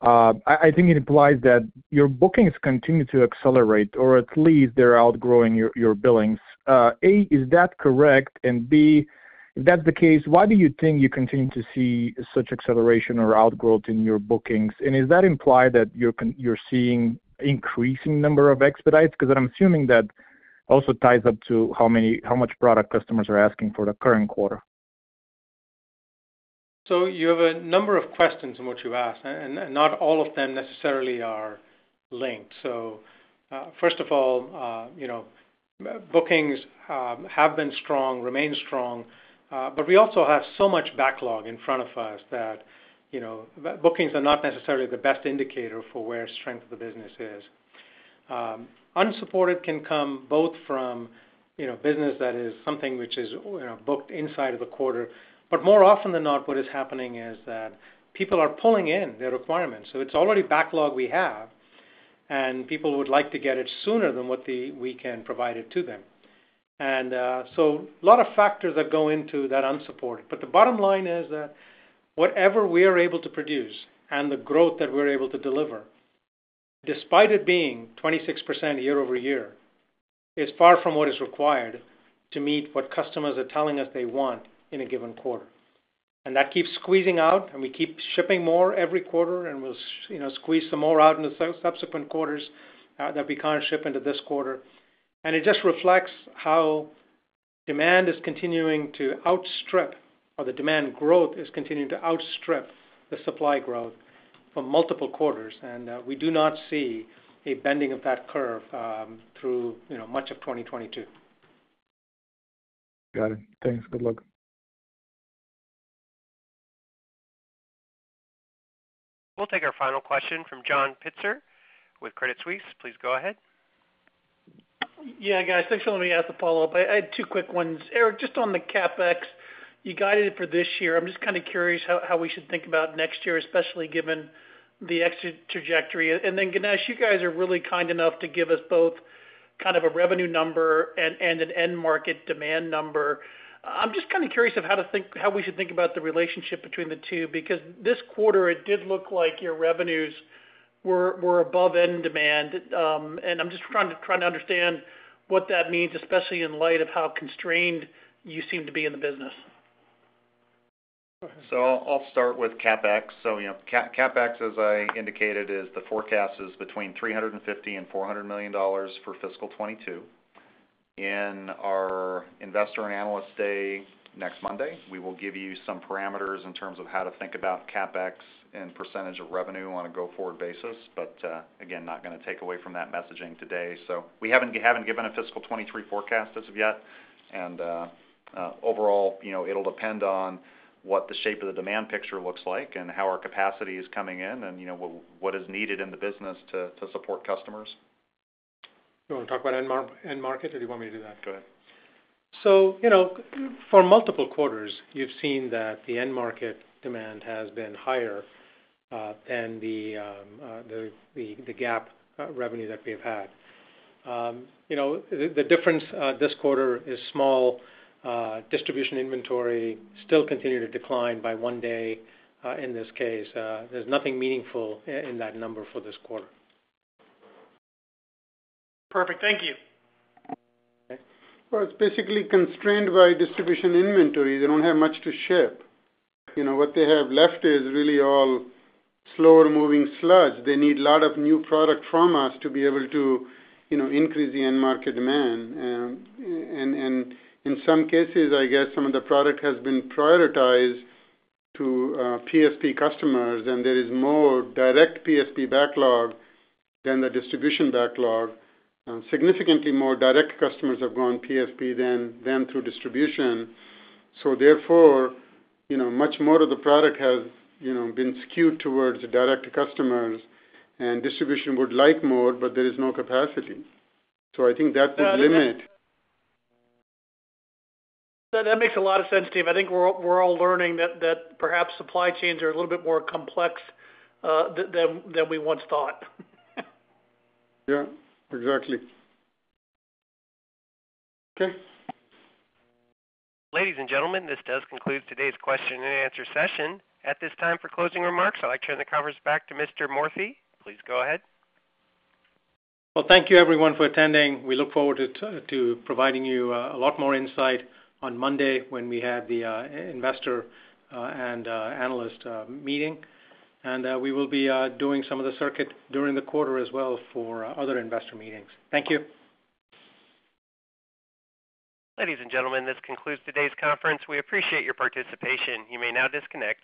I think it implies that your bookings continue to accelerate or at least they're outgrowing your billings. A, is that correct? And B, if that's the case, why do you think you continue to see such acceleration or outgrowth in your bookings? And is that imply that you're seeing increasing number of expedites? 'Cause I'm assuming that also ties up to how much product customers are asking for the current quarter. You have a number of questions in what you asked, and not all of them necessarily are linked. First of all, you know, bookings have been strong, remain strong, but we also have so much backlog in front of us that, you know, bookings are not necessarily the best indicator for where strength of the business is. Upside can come both from, you know, business that is something which is, you know, booked inside of the quarter. But more often than not, what is happening is that people are pulling in their requirements. It's already backlog we have, and people would like to get it sooner than what we can provide it to them. A lot of factors that go into that upside. The bottom line is that whatever we are able to produce and the growth that we're able to deliver, despite it being 26% year-over-year, is far from what is required to meet what customers are telling us they want in a given quarter. That keeps squeezing out, and we keep shipping more every quarter, and we'll, you know, squeeze some more out in the subsequent quarters that we can't ship into this quarter. It just reflects how demand is continuing to outstrip, or the demand growth is continuing to outstrip the supply growth for multiple quarters. We do not see a bending of that curve through, you know, much of 2022. Got it. Thanks. Good luck. We'll take our final question from John Pitzer with Credit Suisse. Please go ahead. Yeah, guys. Thanks for letting me ask a follow-up. I had two quick ones. Eric, just on the CapEx, you guided it for this year. I'm just kinda curious how we should think about next year, especially given the exit trajectory. Ganesh, you guys are really kind enough to give us both kind of a revenue number and an end market demand number. I'm just kinda curious of how we should think about the relationship between the two, because this quarter it did look like your revenues were above end demand. I'm just trying to understand what that means, especially in light of how constrained you seem to be in the business. Go ahead. I'll start with CapEx. CapEx, as I indicated, is the forecast between $350 million-$400 million for fiscal 2022. In our investor and analyst day next Monday, we will give you some parameters in terms of how to think about CapEx and percentage of revenue on a go-forward basis. Again, not gonna take away from that messaging today. We haven't given a fiscal 2023 forecast as of yet. Overall, it'll depend on what the shape of the demand picture looks like and how our capacity is coming in and what is needed in the business to support customers. You wanna talk about end market, or do you want me to do that? Go ahead. You know, for multiple quarters, you've seen that the end market demand has been higher than the GAAP revenue that we've had. You know, the difference this quarter is small. Distribution inventory still continue to decline by one day in this case. There's nothing meaningful in that number for this quarter. Perfect. Thank you. Okay. Well, it's basically constrained by distribution inventory. They don't have much to ship. You know, what they have left is really all slower-moving sludge. They need a lot of new product from us to be able to, you know, increase the end market demand. In some cases, I guess some of the product has been prioritized to PSP customers, and there is more direct PSP backlog than the distribution backlog. Significantly more direct customers have gone PSP than through distribution. Therefore, you know, much more of the product has, you know, been skewed towards direct customers. Distribution would like more, but there is no capacity. I think that would limit- That makes a lot of sense, Tim. I think we're all learning that perhaps supply chains are a little bit more complex than we once thought. Yeah, exactly. Okay. Ladies and gentlemen, this does conclude today's question and answer session. At this time, for closing remarks, I'll turn the covers back to Mr. Moorthy. Please go ahead. Well, thank you everyone for attending. We look forward to providing you a lot more insight on Monday when we have the investor and analyst meeting. We will be doing some of the circuit during the quarter as well for other investor meetings. Thank you. Ladies and gentlemen, this concludes today's conference. We appreciate your participation. You may now disconnect.